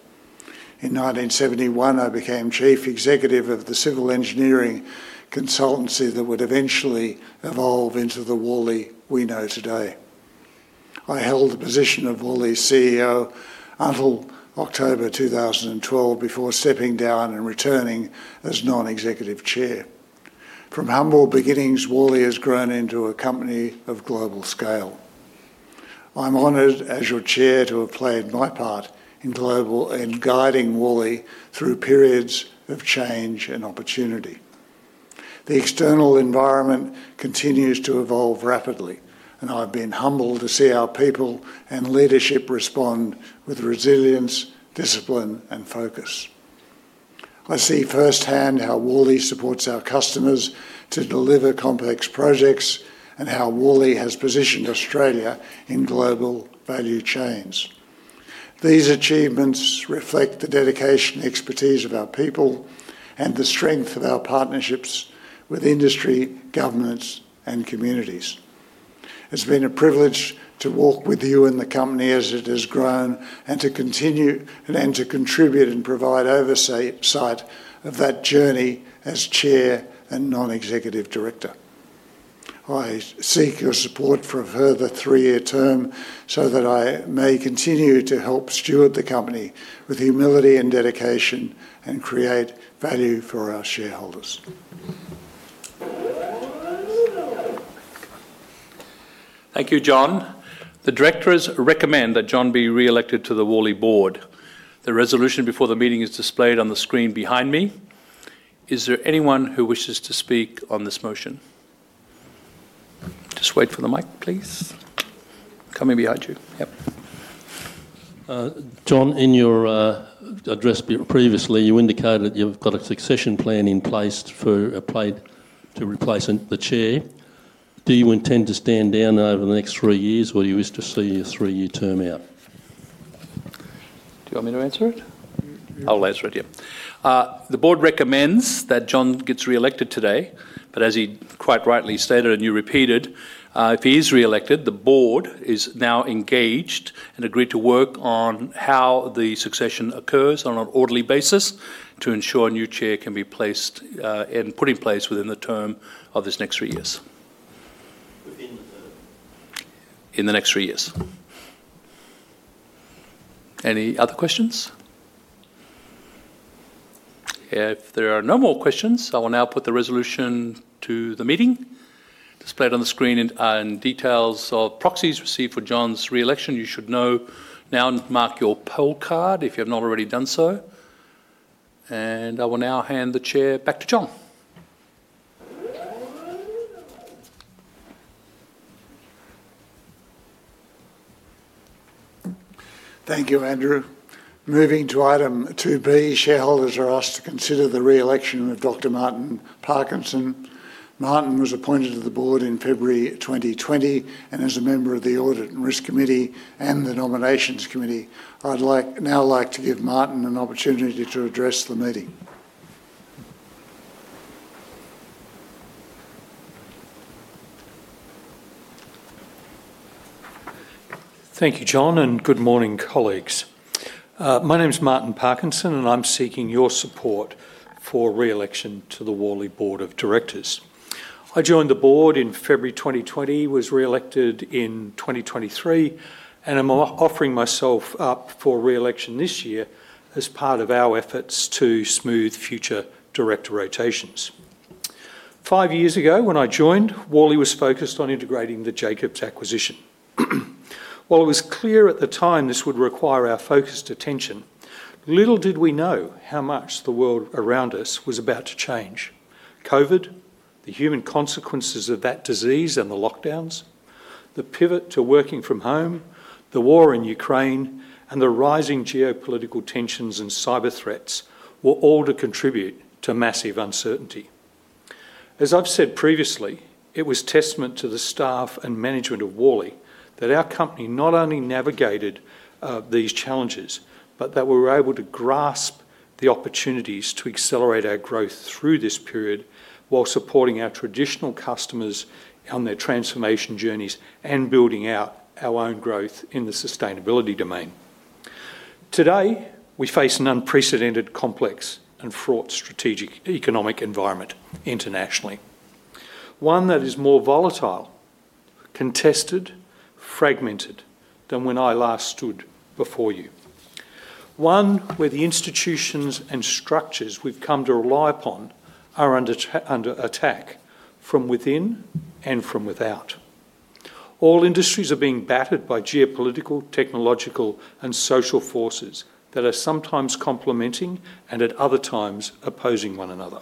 In 1971, I became Chief Executive of the civil engineering consultancy that would eventually evolve into the Worley we know today. I held the position of Worley's CEO until October 2012 before stepping down and returning as Non-Executive Chair. From humble beginnings, Worley has grown into a company of global scale. I'm honored, as your Chair, to have played my part in guiding Worley through periods of change and opportunity. The external environment continues to evolve rapidly, and I've been humbled to see our people and leadership respond with resilience, discipline, and focus. I see firsthand how Worley supports our customers to deliver complex projects and how Worley has positioned Australia in global value chains. These achievements reflect the dedication and expertise of our people and the strength of our partnerships with industry, governments, and communities. It's been a privilege to walk with you and the company as it has grown and to continue and to contribute and provide oversight of that journey as Chair and Non-Executive Director. I seek your support for a further three-year term so that I may continue to help steward the company with humility and dedication and create value for our shareholders. Thank you, John. The Directors recommend that John be re-elected to the Worley Board. The resolution before the meeting is displayed on the screen behind me. Is there anyone who wishes to speak on this motion? Just wait for the mic, please. Coming behind you. Yep. John, in your address previously, you indicated that you've got a succession plan in place to replace the Chair. Do you intend to stand down over the next three years, or do you wish to see a three-year term out? Do you want me to answer it? I'll answer it, yeah. The Board recommends that John gets re-elected today, but as he quite rightly stated, and you repeated, if he is re-elected, the Board is now engaged and agreed to work on how the succession occurs on an orderly basis to ensure a new Chair can be placed and put in place within the term of this next three years. Within the term. In the next three years. Any other questions? If there are no more questions, I will now put the resolution to the meeting. Displayed on the screen are details of proxies received for John's re-election. You should know now and mark your poll card if you have not already done so. I will now hand the Chair back to John. Thank you, Andrew. Moving to item 2B, shareholders are asked to consider the re-election of Dr. Martin Parkinson. Martin was appointed to the Board in February 2020 and is a member of the Audit and Risk Committee and the Nominations Committee. I'd now like to give Martin an opportunity to address the meeting. Thank you, John, and good morning, colleagues. My name is Martin Parkinson, and I'm seeking your support for re-election to the Worley Board of Directors. I joined the Board in February 2020, was re-elected in 2023, and I'm offering myself up for re-election this year as part of our efforts to smooth future director rotations. Five years ago, when I joined, Worley was focused on integrating the Jacobs acquisition. While it was clear at the time this would require our focused attention, little did we know how much the world around us was about to change: COVID, the human consequences of that disease and the lockdowns, the pivot to working from home, the war in Ukraine, and the rising geopolitical tensions and cyber threats were all to contribute to massive uncertainty. As I've said previously, it was testament to the staff and management of Worley that our company not only navigated these challenges, but that we were able to grasp the opportunities to accelerate our growth through this period while supporting our traditional customers on their transformation journeys and building out our own growth in the sustainability domain. Today, we face an unprecedented complex and fraught strategic economic environment internationally, one that is more volatile, contested, fragmented than when I last stood before you, one where the institutions and structures we've come to rely upon are under attack from within and from without. All industries are being battered by geopolitical, technological, and social forces that are sometimes complementing and at other times opposing one another.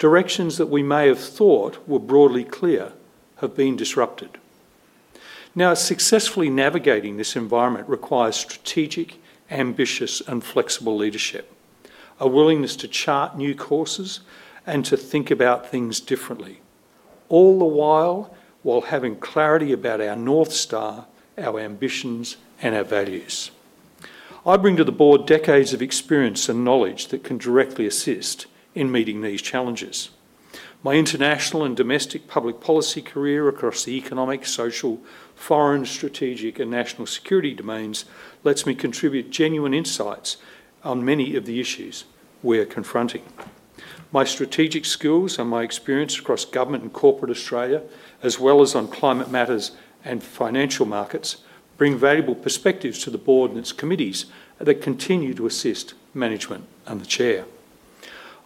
Directions that we may have thought were broadly clear have been disrupted. Now, successfully navigating this environment requires strategic, ambitious, and flexible leadership, a willingness to chart new courses and to think about things differently, all the while having clarity about our North Star, our ambitions, and our values. I bring to the Board decades of experience and knowledge that can directly assist in meeting these challenges. My international and domestic public policy career across the economic, social, foreign, strategic, and national security domains lets me contribute genuine insights on many of the issues we are confronting. My strategic skills and my experience across government and corporate Australia, as well as on climate matters and financial markets, bring valuable perspectives to the Board and its committees that continue to assist management and the Chair.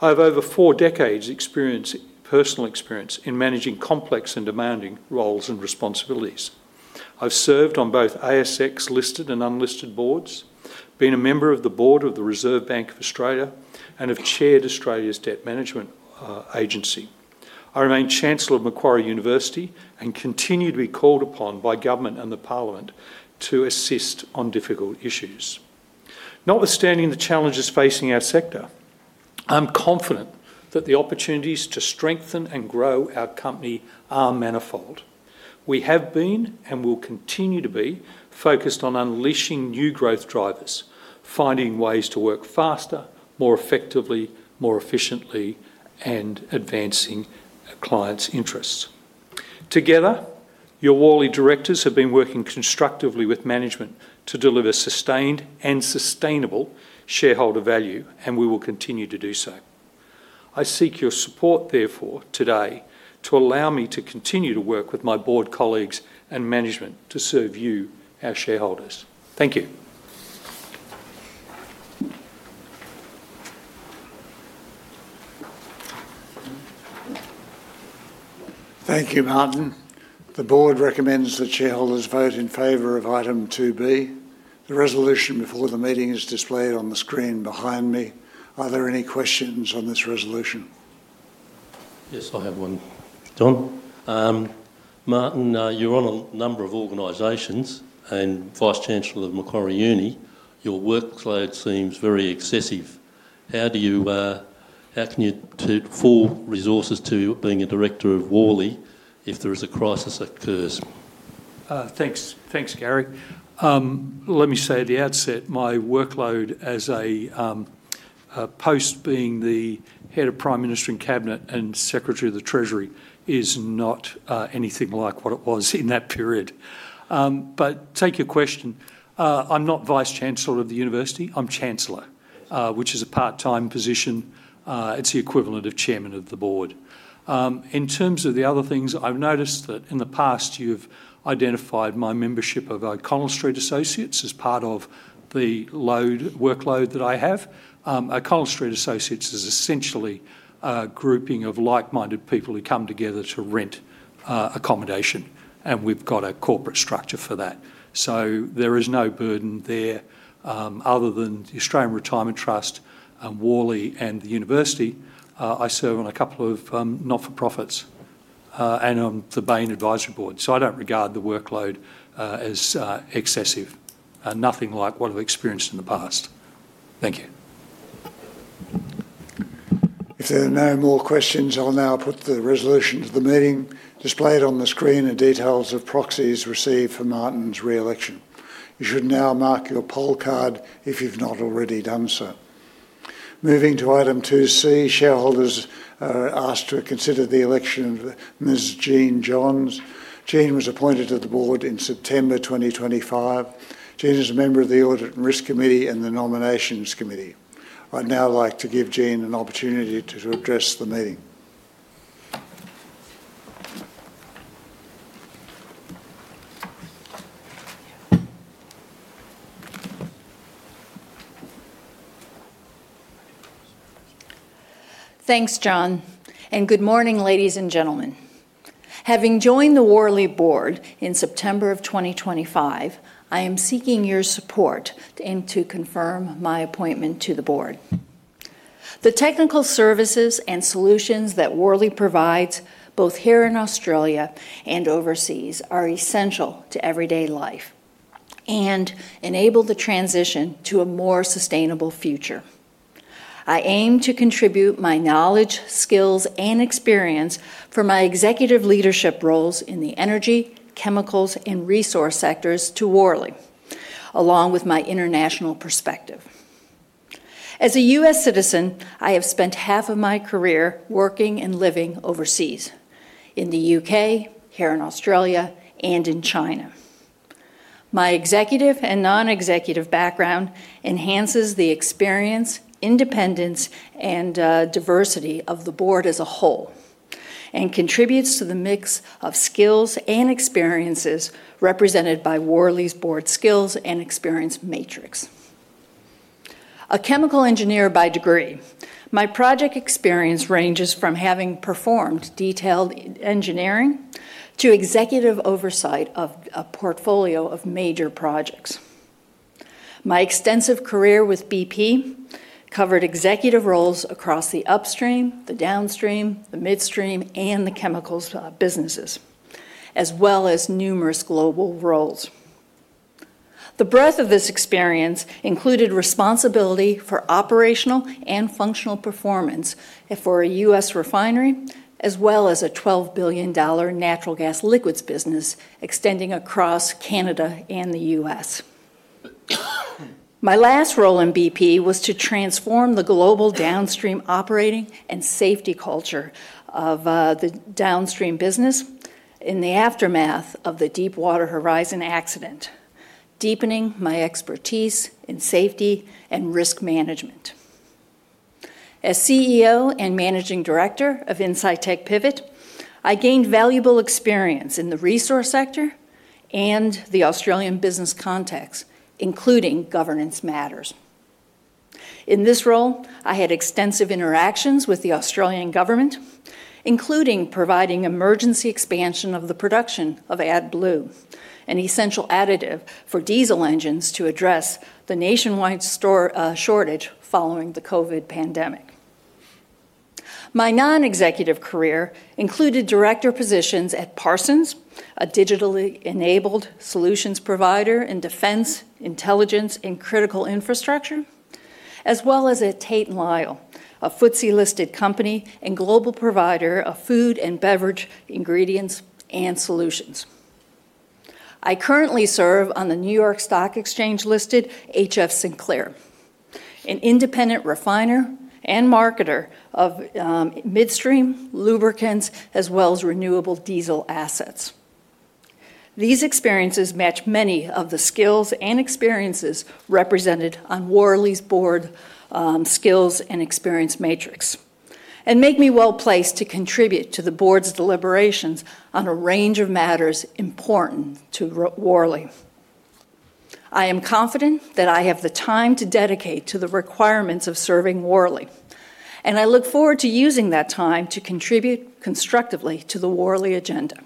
I have over four decades of personal experience in managing complex and demanding roles and responsibilities. I've served on both ASX-listed and unlisted boards, been a member of the Board of the Reserve Bank of Australia, and have chaired Australia's Debt Management Agency. I remain Chancellor of Macquarie University and continue to be called upon by government and the Parliament to assist on difficult issues. Notwithstanding the challenges facing our sector, I'm confident that the opportunities to strengthen and grow our company are manifold. We have been and will continue to be focused on unleashing new growth drivers, finding ways to work faster, more effectively, more efficiently, and advancing clients' interests. Together, your Worley Directors have been working constructively with management to deliver sustained and sustainable shareholder value, and we will continue to do so. I seek your support, therefore, today to allow me to continue to work with my Board colleagues and management to serve you, our shareholders. Thank you. Thank you, Martin. The Board recommends that shareholders vote in favor of item 2B. The resolution before the meeting is displayed on the screen behind me. Are there any questions on this resolution? Yes, I have one, John. Martin, you're on a number of organizations and Vice-Chancellor of Macquarie Uni. Your workload seems very excessive. How can you afford resources to being a Director of Worley if there is a crisis occurs? Thanks, Gary. Let me say at the outset, my workload as a post being the Head of Prime Minister and Cabinet and Secretary of the Treasury is not anything like what it was in that period. I take your question. I'm not Vice-Chancellor of the University. I'm Chancellor, which is a part-time position. It's the equivalent of Chairman of the Board. In terms of the other things, I've noticed that in the past, you've identified my membership of O'Connell Street Associates as part of the workload that I have. O'Connell Street Associates is essentially a grouping of like-minded people who come together to rent accommodation, and we've got a corporate structure for that. There is no burden there other than the Australian Retirement Trust, Worley, and the University. I serve on a couple of not-for-profits and on the Bain Advisory Board. I don't regard the workload as excessive, nothing like what I've experienced in the past. Thank you. If there are no more questions, I'll now put the resolution to the meeting displayed on the screen and details of proxies received for Martin's re-election. You should now mark your poll card if you've not already done so. Moving to item 2C, shareholders are asked to consider the election of Ms. Jeanne Johns. Jeanne was appointed to the Board in September 2025. Jeanne is a member of the Audit and Risk Committee and the Nominations Committee. I'd now like to give Jeanne an opportunity to address the meeting. Thanks, John. Good morning, ladies and gentlemen. Having joined the Worley Board in September of 2025, I am seeking your support and to confirm my appointment to the Board. The technical services and solutions that Worley provides, both here in Australia and overseas, are essential to everyday life and enable the transition to a more sustainable future. I aim to contribute my knowledge, skills, and experience from my executive leadership roles in the energy, chemicals, and resource sectors to Worley, along with my international perspective. As a U.S. citizen, I have spent half of my career working and living overseas, in the U.K., here in Australia, and in China. My executive and non-executive background enhances the experience, independence, and diversity of the Board as a whole and contributes to the mix of skills and experiences represented by Worley's Board Skills and Experience Matrix. A chemical engineer by degree, my project experience ranges from having performed detailed engineering to executive oversight of a portfolio of major projects. My extensive career with BP covered executive roles across the upstream, the downstream, the midstream, and the chemicals businesses, as well as numerous global roles. The breadth of this experience included responsibility for operational and functional performance for a U.S. refinery, as well as a $12 billion natural gas liquids business extending across Canada and the U.S. My last role in BP was to transform the global downstream operating and safety culture of the downstream business in the aftermath of the Deepwater Horizon accident, deepening my expertise in safety and risk management. As CEO and Managing Director of Insitec Pivot, I gained valuable experience in the resource sector and the Australian business context, including governance matters. In this role, I had extensive interactions with the Australian government, including providing emergency expansion of the production of AdBlue, an essential additive for diesel engines, to address the nationwide shortage following the COVID pandemic. My non-executive career included director positions at Parsons, a digitally enabled solutions provider in defense, intelligence, and critical infrastructure, as well as at Tate & Lyle, a FTSE-listed company and global provider of food and beverage ingredients and solutions. I currently serve on the New York Stock Exchange-listed HF Sinclair, an independent refiner and marketer of midstream lubricants, as well as renewable diesel assets. These experiences match many of the skills and experiences represented on Worley's Board Skills and Experience Matrix and make me well placed to contribute to the Board's deliberations on a range of matters important to Worley. I am confident that I have the time to dedicate to the requirements of serving Worley, and I look forward to using that time to contribute constructively to the Worley agenda.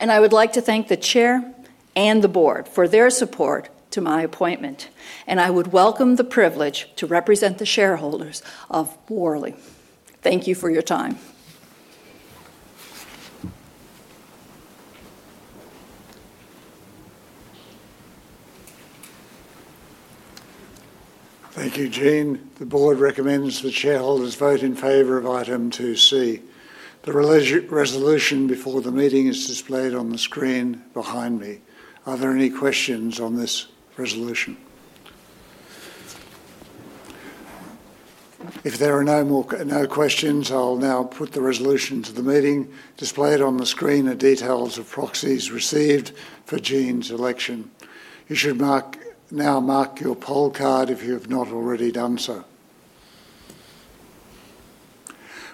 I would like to thank the Chair and the Board for their support to my appointment, and I would welcome the privilege to represent the shareholders of Worley. Thank you for your time. Thank you, Jeanne. The Board recommends the shareholders vote in favor of item 2C. The resolution before the meeting is displayed on the screen behind me. Are there any questions on this resolution? If there are no questions, I'll now put the resolution to the meeting displayed on the screen and details of proxies received for Jeanne's election. You should now mark your poll card if you have not already done so.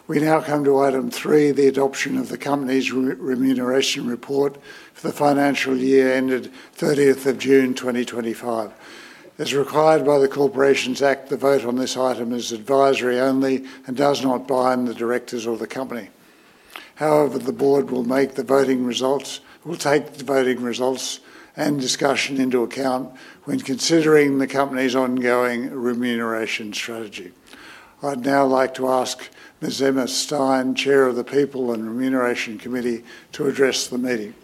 We now come to item 3, the adoption of the company's remuneration report for the financial year ended 30th of June 2025. As required by the Corporations Act, the vote on this item is advisory only and does not bind the directors or the company. However, the Board will take the voting results and discussion into account when considering the company's ongoing remuneration strategy. I'd now like to ask Ms. Emma Stein, Chair of the People and Remuneration Committee, to address the meeting.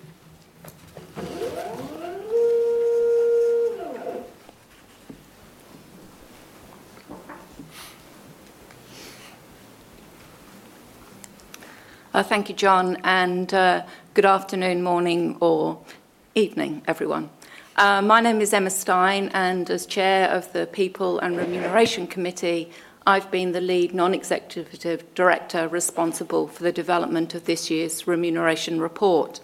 Thank you, John, and good afternoon, morning, or evening, everyone. My name is Emma Stein, and as Chair of the People and Remuneration Committee, I've been the lead non-executive director responsible for the development of this year's remuneration report.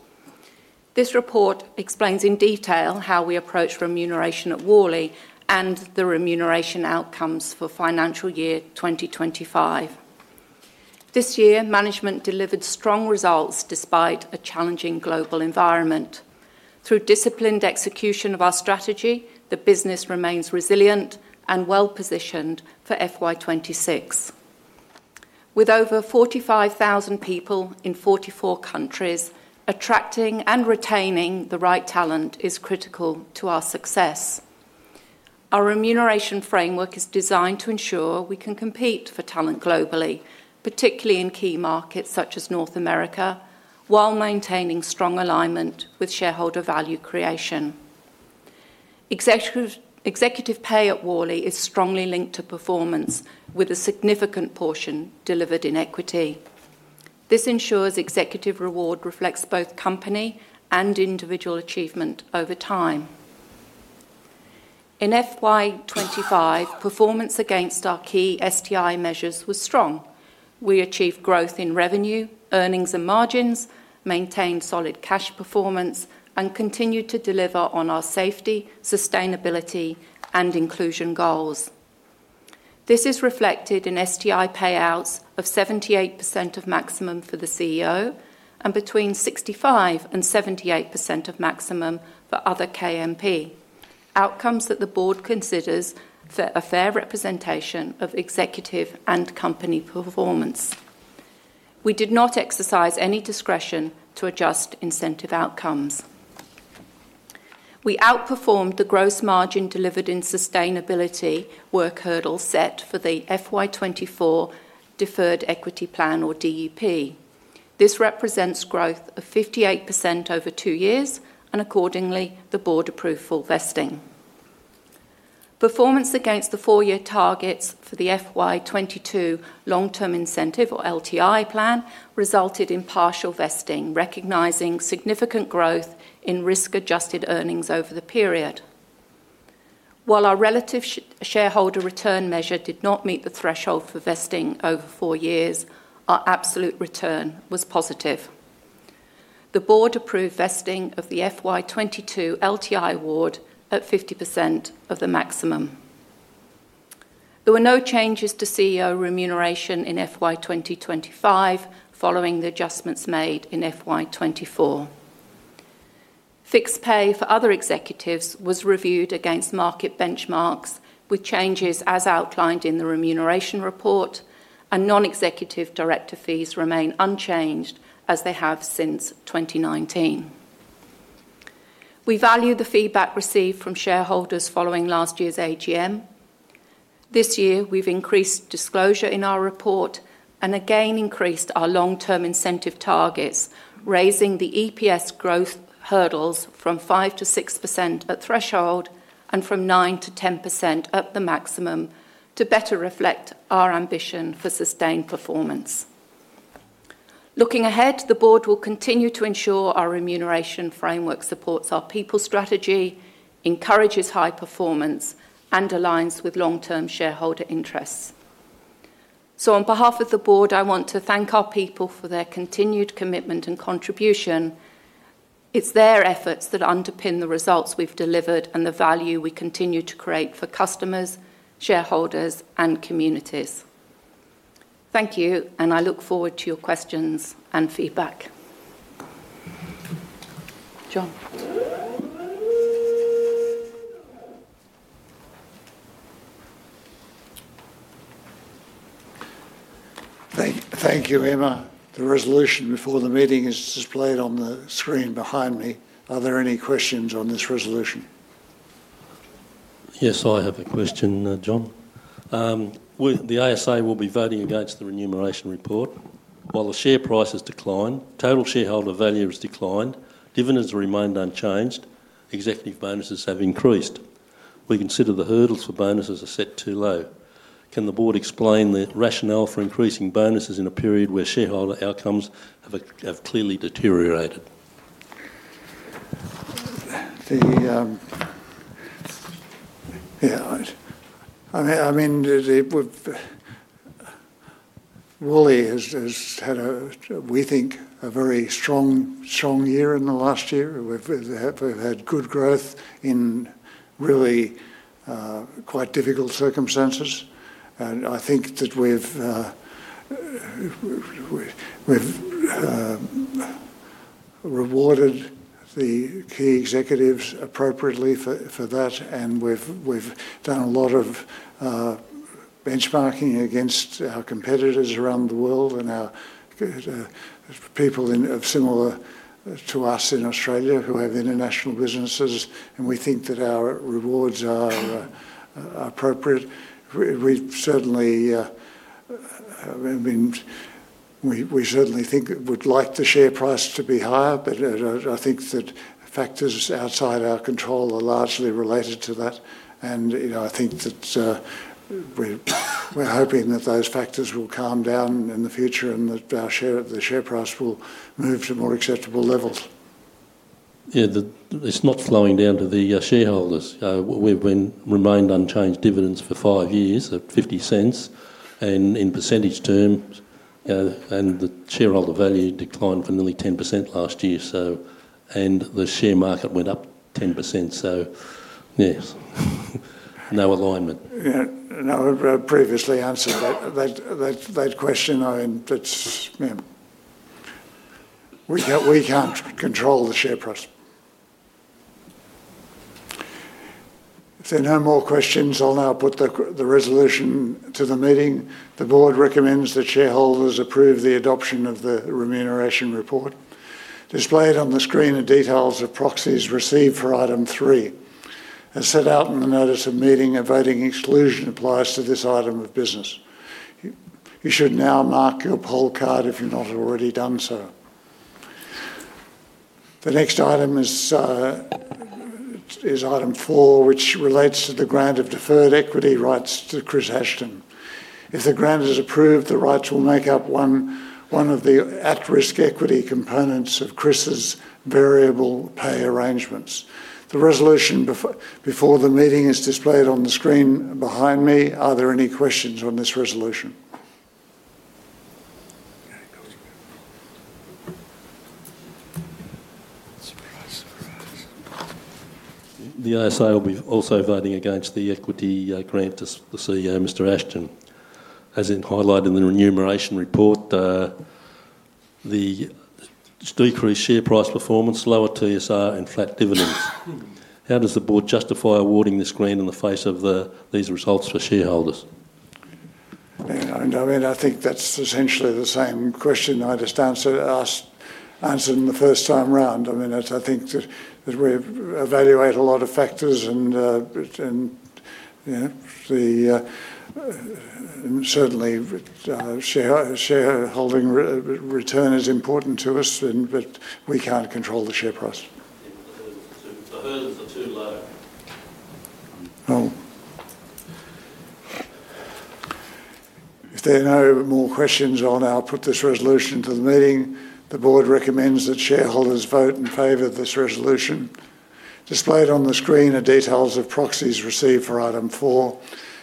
This report explains in detail how we approach remuneration at Worley and the remuneration outcomes for financial year 2025. This year, management delivered strong results despite a challenging global environment. Through disciplined execution of our strategy, the business remains resilient and well-positioned for FY 2026. With over 45,000 people in 44 countries, attracting and retaining the right talent is critical to our success. Our remuneration framework is designed to ensure we can compete for talent globally, particularly in key markets such as North America, while maintaining strong alignment with shareholder value creation. Executive pay at Worley is strongly linked to performance, with a significant portion delivered in equity. This ensures executive reward reflects both company and individual achievement over time. In FY 2025, performance against our key STI measures was strong. We achieved growth in revenue, earnings, and margins, maintained solid cash performance, and continued to deliver on our safety, sustainability, and inclusion goals. This is reflected in STI payouts of 78% of maximum for the CEO and between 65% and 78% of maximum for other KMP, outcomes that the Board considers a fair representation of executive and company performance. We did not exercise any discretion to adjust incentive outcomes. We outperformed the gross margin delivered in sustainability work hurdle set for the FY 2024 Deferred Equity Plan, or DEP. This represents growth of 58% over two years, and accordingly, the Board approved full vesting. Performance against the four-year targets for the FY 2022 Long-Term Incentive, or LTI, plan resulted in partial vesting, recognizing significant growth in risk-adjusted earnings over the period. While our relative shareholder return measure did not meet the threshold for vesting over four years, our absolute return was positive. The Board approved vesting of the FY 2022 LTI award at 50% of the maximum. There were no changes to CEO remuneration in FY 2025 following the adjustments made in FY 2024. Fixed pay for other executives was reviewed against market benchmarks, with changes as outlined in the remuneration report, and non-executive director fees remain unchanged as they have since 2019. We value the feedback received from shareholders following last year's AGM. This year, we've increased disclosure in our report and again increased our long-term incentive targets, raising the EPS growth hurdles from 5% to 6% at threshold and from 9% to 10% at the maximum to better reflect our ambition for sustained performance. Looking ahead, the Board will continue to ensure our remuneration framework supports our people strategy, encourages high performance, and aligns with long-term shareholder interests. On behalf of the Board, I want to thank our people for their continued commitment and contribution. It's their efforts that underpin the results we've delivered and the value we continue to create for customers, shareholders, and communities. Thank you, and I look forward to your questions and feedback. John. Thank you, Emma. The resolution before the meeting is displayed on the screen behind me. Are there any questions on this resolution? Yes, I have a question, John. The ASA will be voting against the remuneration report. While the share price has declined, total shareholder value has declined, dividends have remained unchanged, executive bonuses have increased. We consider the hurdles for bonuses are set too low. Can the Board explain the rationale for increasing bonuses in a period where shareholder outcomes have clearly deteriorated? Yeah, I mean, Worley has had, we think, a very strong year in the last year. We've had good growth in really quite difficult circumstances. I think that we've rewarded the key executives appropriately for that, and we've done a lot of benchmarking against our competitors around the world and our people similar to us in Australia who have international businesses, and we think that our rewards are appropriate. We certainly think we would like the share price to be higher, but I think that factors outside our control are largely related to that. I think that we're hoping that those factors will calm down in the future and that the share price will move to more acceptable levels. It's not slowing down to the shareholders. We've remained unchanged dividends for five years at 0.50 in percentage terms, and the shareholder value declined for nearly 10% last year, and the share market went up 10%. Yes, no alignment. I've previously answered that question. We can't control the share price. If there are no more questions, I'll now put the resolution to the meeting. The Board recommends that shareholders approve the adoption of the remuneration report. Displayed on the screen are details of proxies received for item three. As set out in the notice of meeting, a voting exclusion applies to this item of business. You should now mark your poll card if you've not already done so. The next item is item four, which relates to the grant of deferred equity rights to Chris Ashton. If the grant is approved, the rights will make up one of the at-risk equity components of Chris's variable pay arrangements. The resolution before the meeting is displayed on the screen behind me. Are there any questions on this resolution? The ASA will be also voting against the equity grant to CEO Mr. Ashton. As highlighted in the remuneration report, the decreased share price performance, lower TSR, and flat dividends. How does the Board justify awarding this grant in the face of these results for shareholders? I think that's essentially the same question I just answered in the first time round. I think that we evaluate a lot of factors, and certainly, shareholding return is important to us, but we can't control the share price. The hurdles are too low. If there are no more questions on, I'll put this resolution to the meeting. The Board recommends that shareholders vote in favor of this resolution. Displayed on the screen are details of proxies received for item four.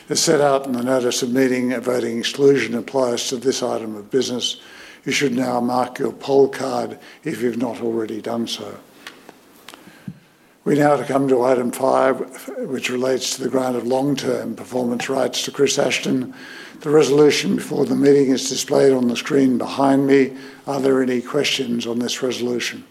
As set out in the notice of meeting, a voting exclusion applies to this item of business. You should now mark your poll card if you've not already done so. We now come to item five, which relates to the grant of long-term performance rights to Chris Ashton. The resolution before the meeting is displayed on the screen behind me. Are there any questions on this resolution?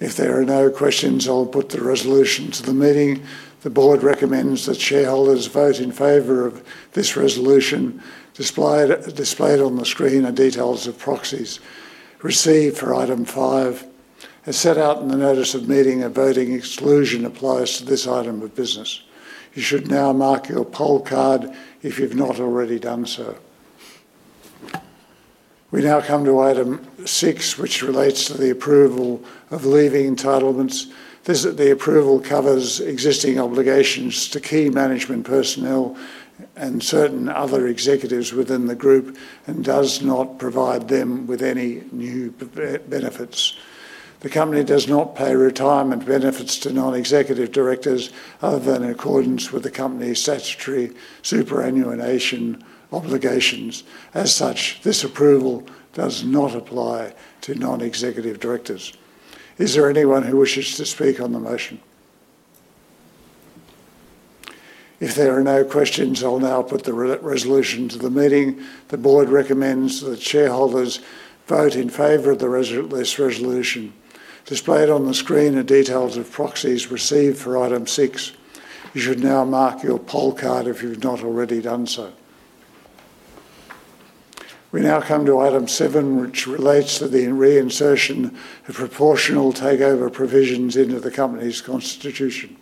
If there are no questions, I'll put the resolution to the meeting. The Board recommends that shareholders vote in favor of this resolution. Displayed on the screen are details of proxies received for item five. As set out in the notice of meeting, a voting exclusion applies to this item of business. You should now mark your poll card if you've not already done so. We now come to item six, which relates to the approval of leaving entitlements. The approval covers existing obligations to key management personnel and certain other executives within the group and does not provide them with any new benefits. The company does not pay retirement benefits to non-executive directors other than in accordance with the company's statutory superannuation obligations. As such, this approval does not apply to non-executive directors. Is there anyone who wishes to speak on the motion? If there are no questions, I'll now put the resolution to the meeting. The Board recommends that shareholders vote in favor of this resolution. Displayed on the screen are details of proxies received for item six. You should now mark your poll card if you've not already done so. We now come to item seven, which relates to the reinsertion of proportional takeover provisions into the company's constitution.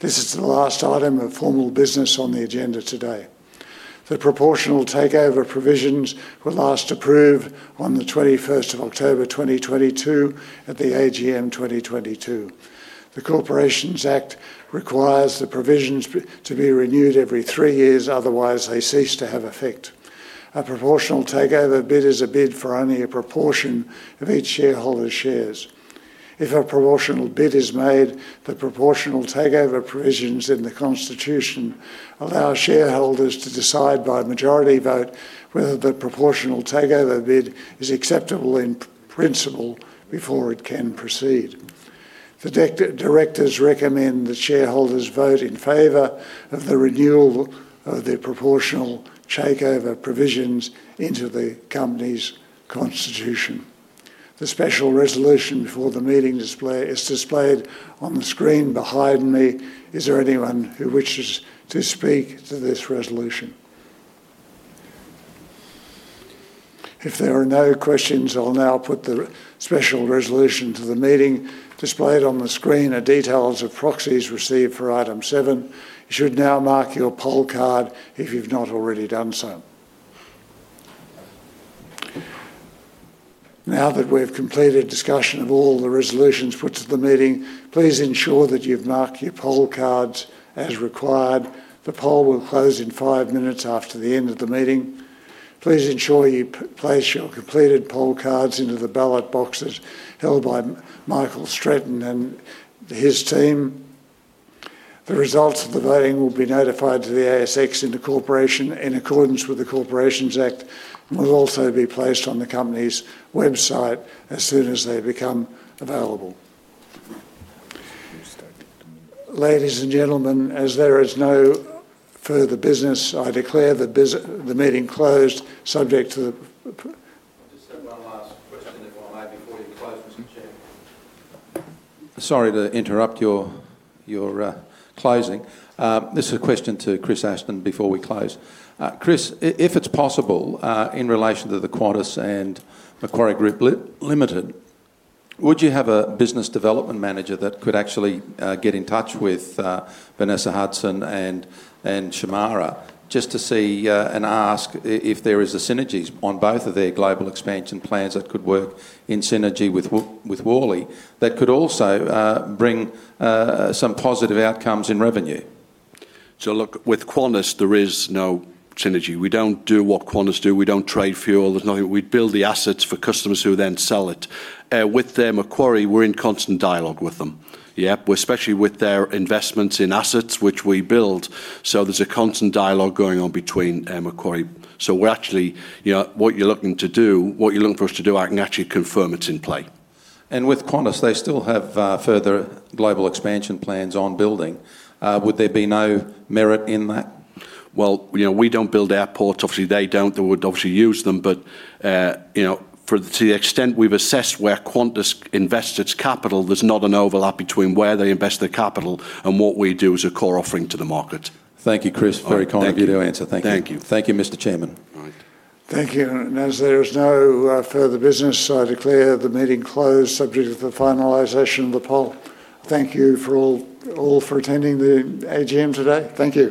This is the last item of formal business on the agenda today. The proportional takeover provisions were last approved on the 21st of October 2022 at the AGM 2022. The Corporations Act requires the provisions to be renewed every three years, otherwise, they cease to have effect. A proportional takeover bid is a bid for only a proportion of each shareholder's shares. If a proportional bid is made, the proportional takeover provisions in the constitution allow shareholders to decide by majority vote whether the proportional takeover bid is acceptable in principle before it can proceed. The directors recommend that shareholders vote in favor of the renewal of the proportional takeover provisions into the company's constitution. The special resolution before the meeting is displayed on the screen behind me. Is there anyone who wishes to speak to this resolution? If there are no questions, I'll now put the special resolution to the meeting. Displayed on the screen are details of proxies received for item seven. You should now mark your poll card if you've not already done so. Now that we've completed discussion of all the resolutions put to the meeting, please ensure that you've marked your poll cards as required. The poll will close in five minutes after the end of the meeting. Please ensure you place your completed poll cards into the ballot boxes held by Michael Stratton and his team. The results of the voting will be notified to the ASX and the corporation in accordance with the Corporations Act and will also be placed on the company's website as soon as they become available. Ladies and gentlemen, as there is no further business, I declare the meeting closed, subject to the. Just one last question before we close, Mr. Chair. Sorry to interrupt your closing. This is a question to Chris Ashton before we close. Chris, if it's possible in relation to the Qantas and Macquarie Group Limited, would you have a business development manager that could actually get in touch with Vanessa Hudson and [Shimara] just to see and ask if there is a synergy on both of their global expansion plans that could work in synergy with Worley that could also bring some positive outcomes in revenue? Look, with Qantas, there is no synergy. We don't do what Qantas do. We don't trade fuel. We build the assets for customers who then sell it. With Macquarie, we're in constant dialogue with them, especially with their investments in assets, which we build. There's a constant dialogue going on between Macquarie. What you're looking to do, what you're looking for us to do, I can actually confirm it's in play. With Qantas, they still have further global expansion plans on building. Would there be no merit in that? We do not build airports. Obviously, they do not. They would obviously use them. To the extent we have assessed where Qantas invests its capital, there is not an overlap between where they invest their capital and what we do as a core offering to the market. Thank you, Chris. Very kind of you to answer. Thank you. Thank you, Mr. Chairman. Thank you. As there is no further business, I declare the meeting closed, subject to the finalization of the poll. Thank you all for attending the AGM today. Thank you.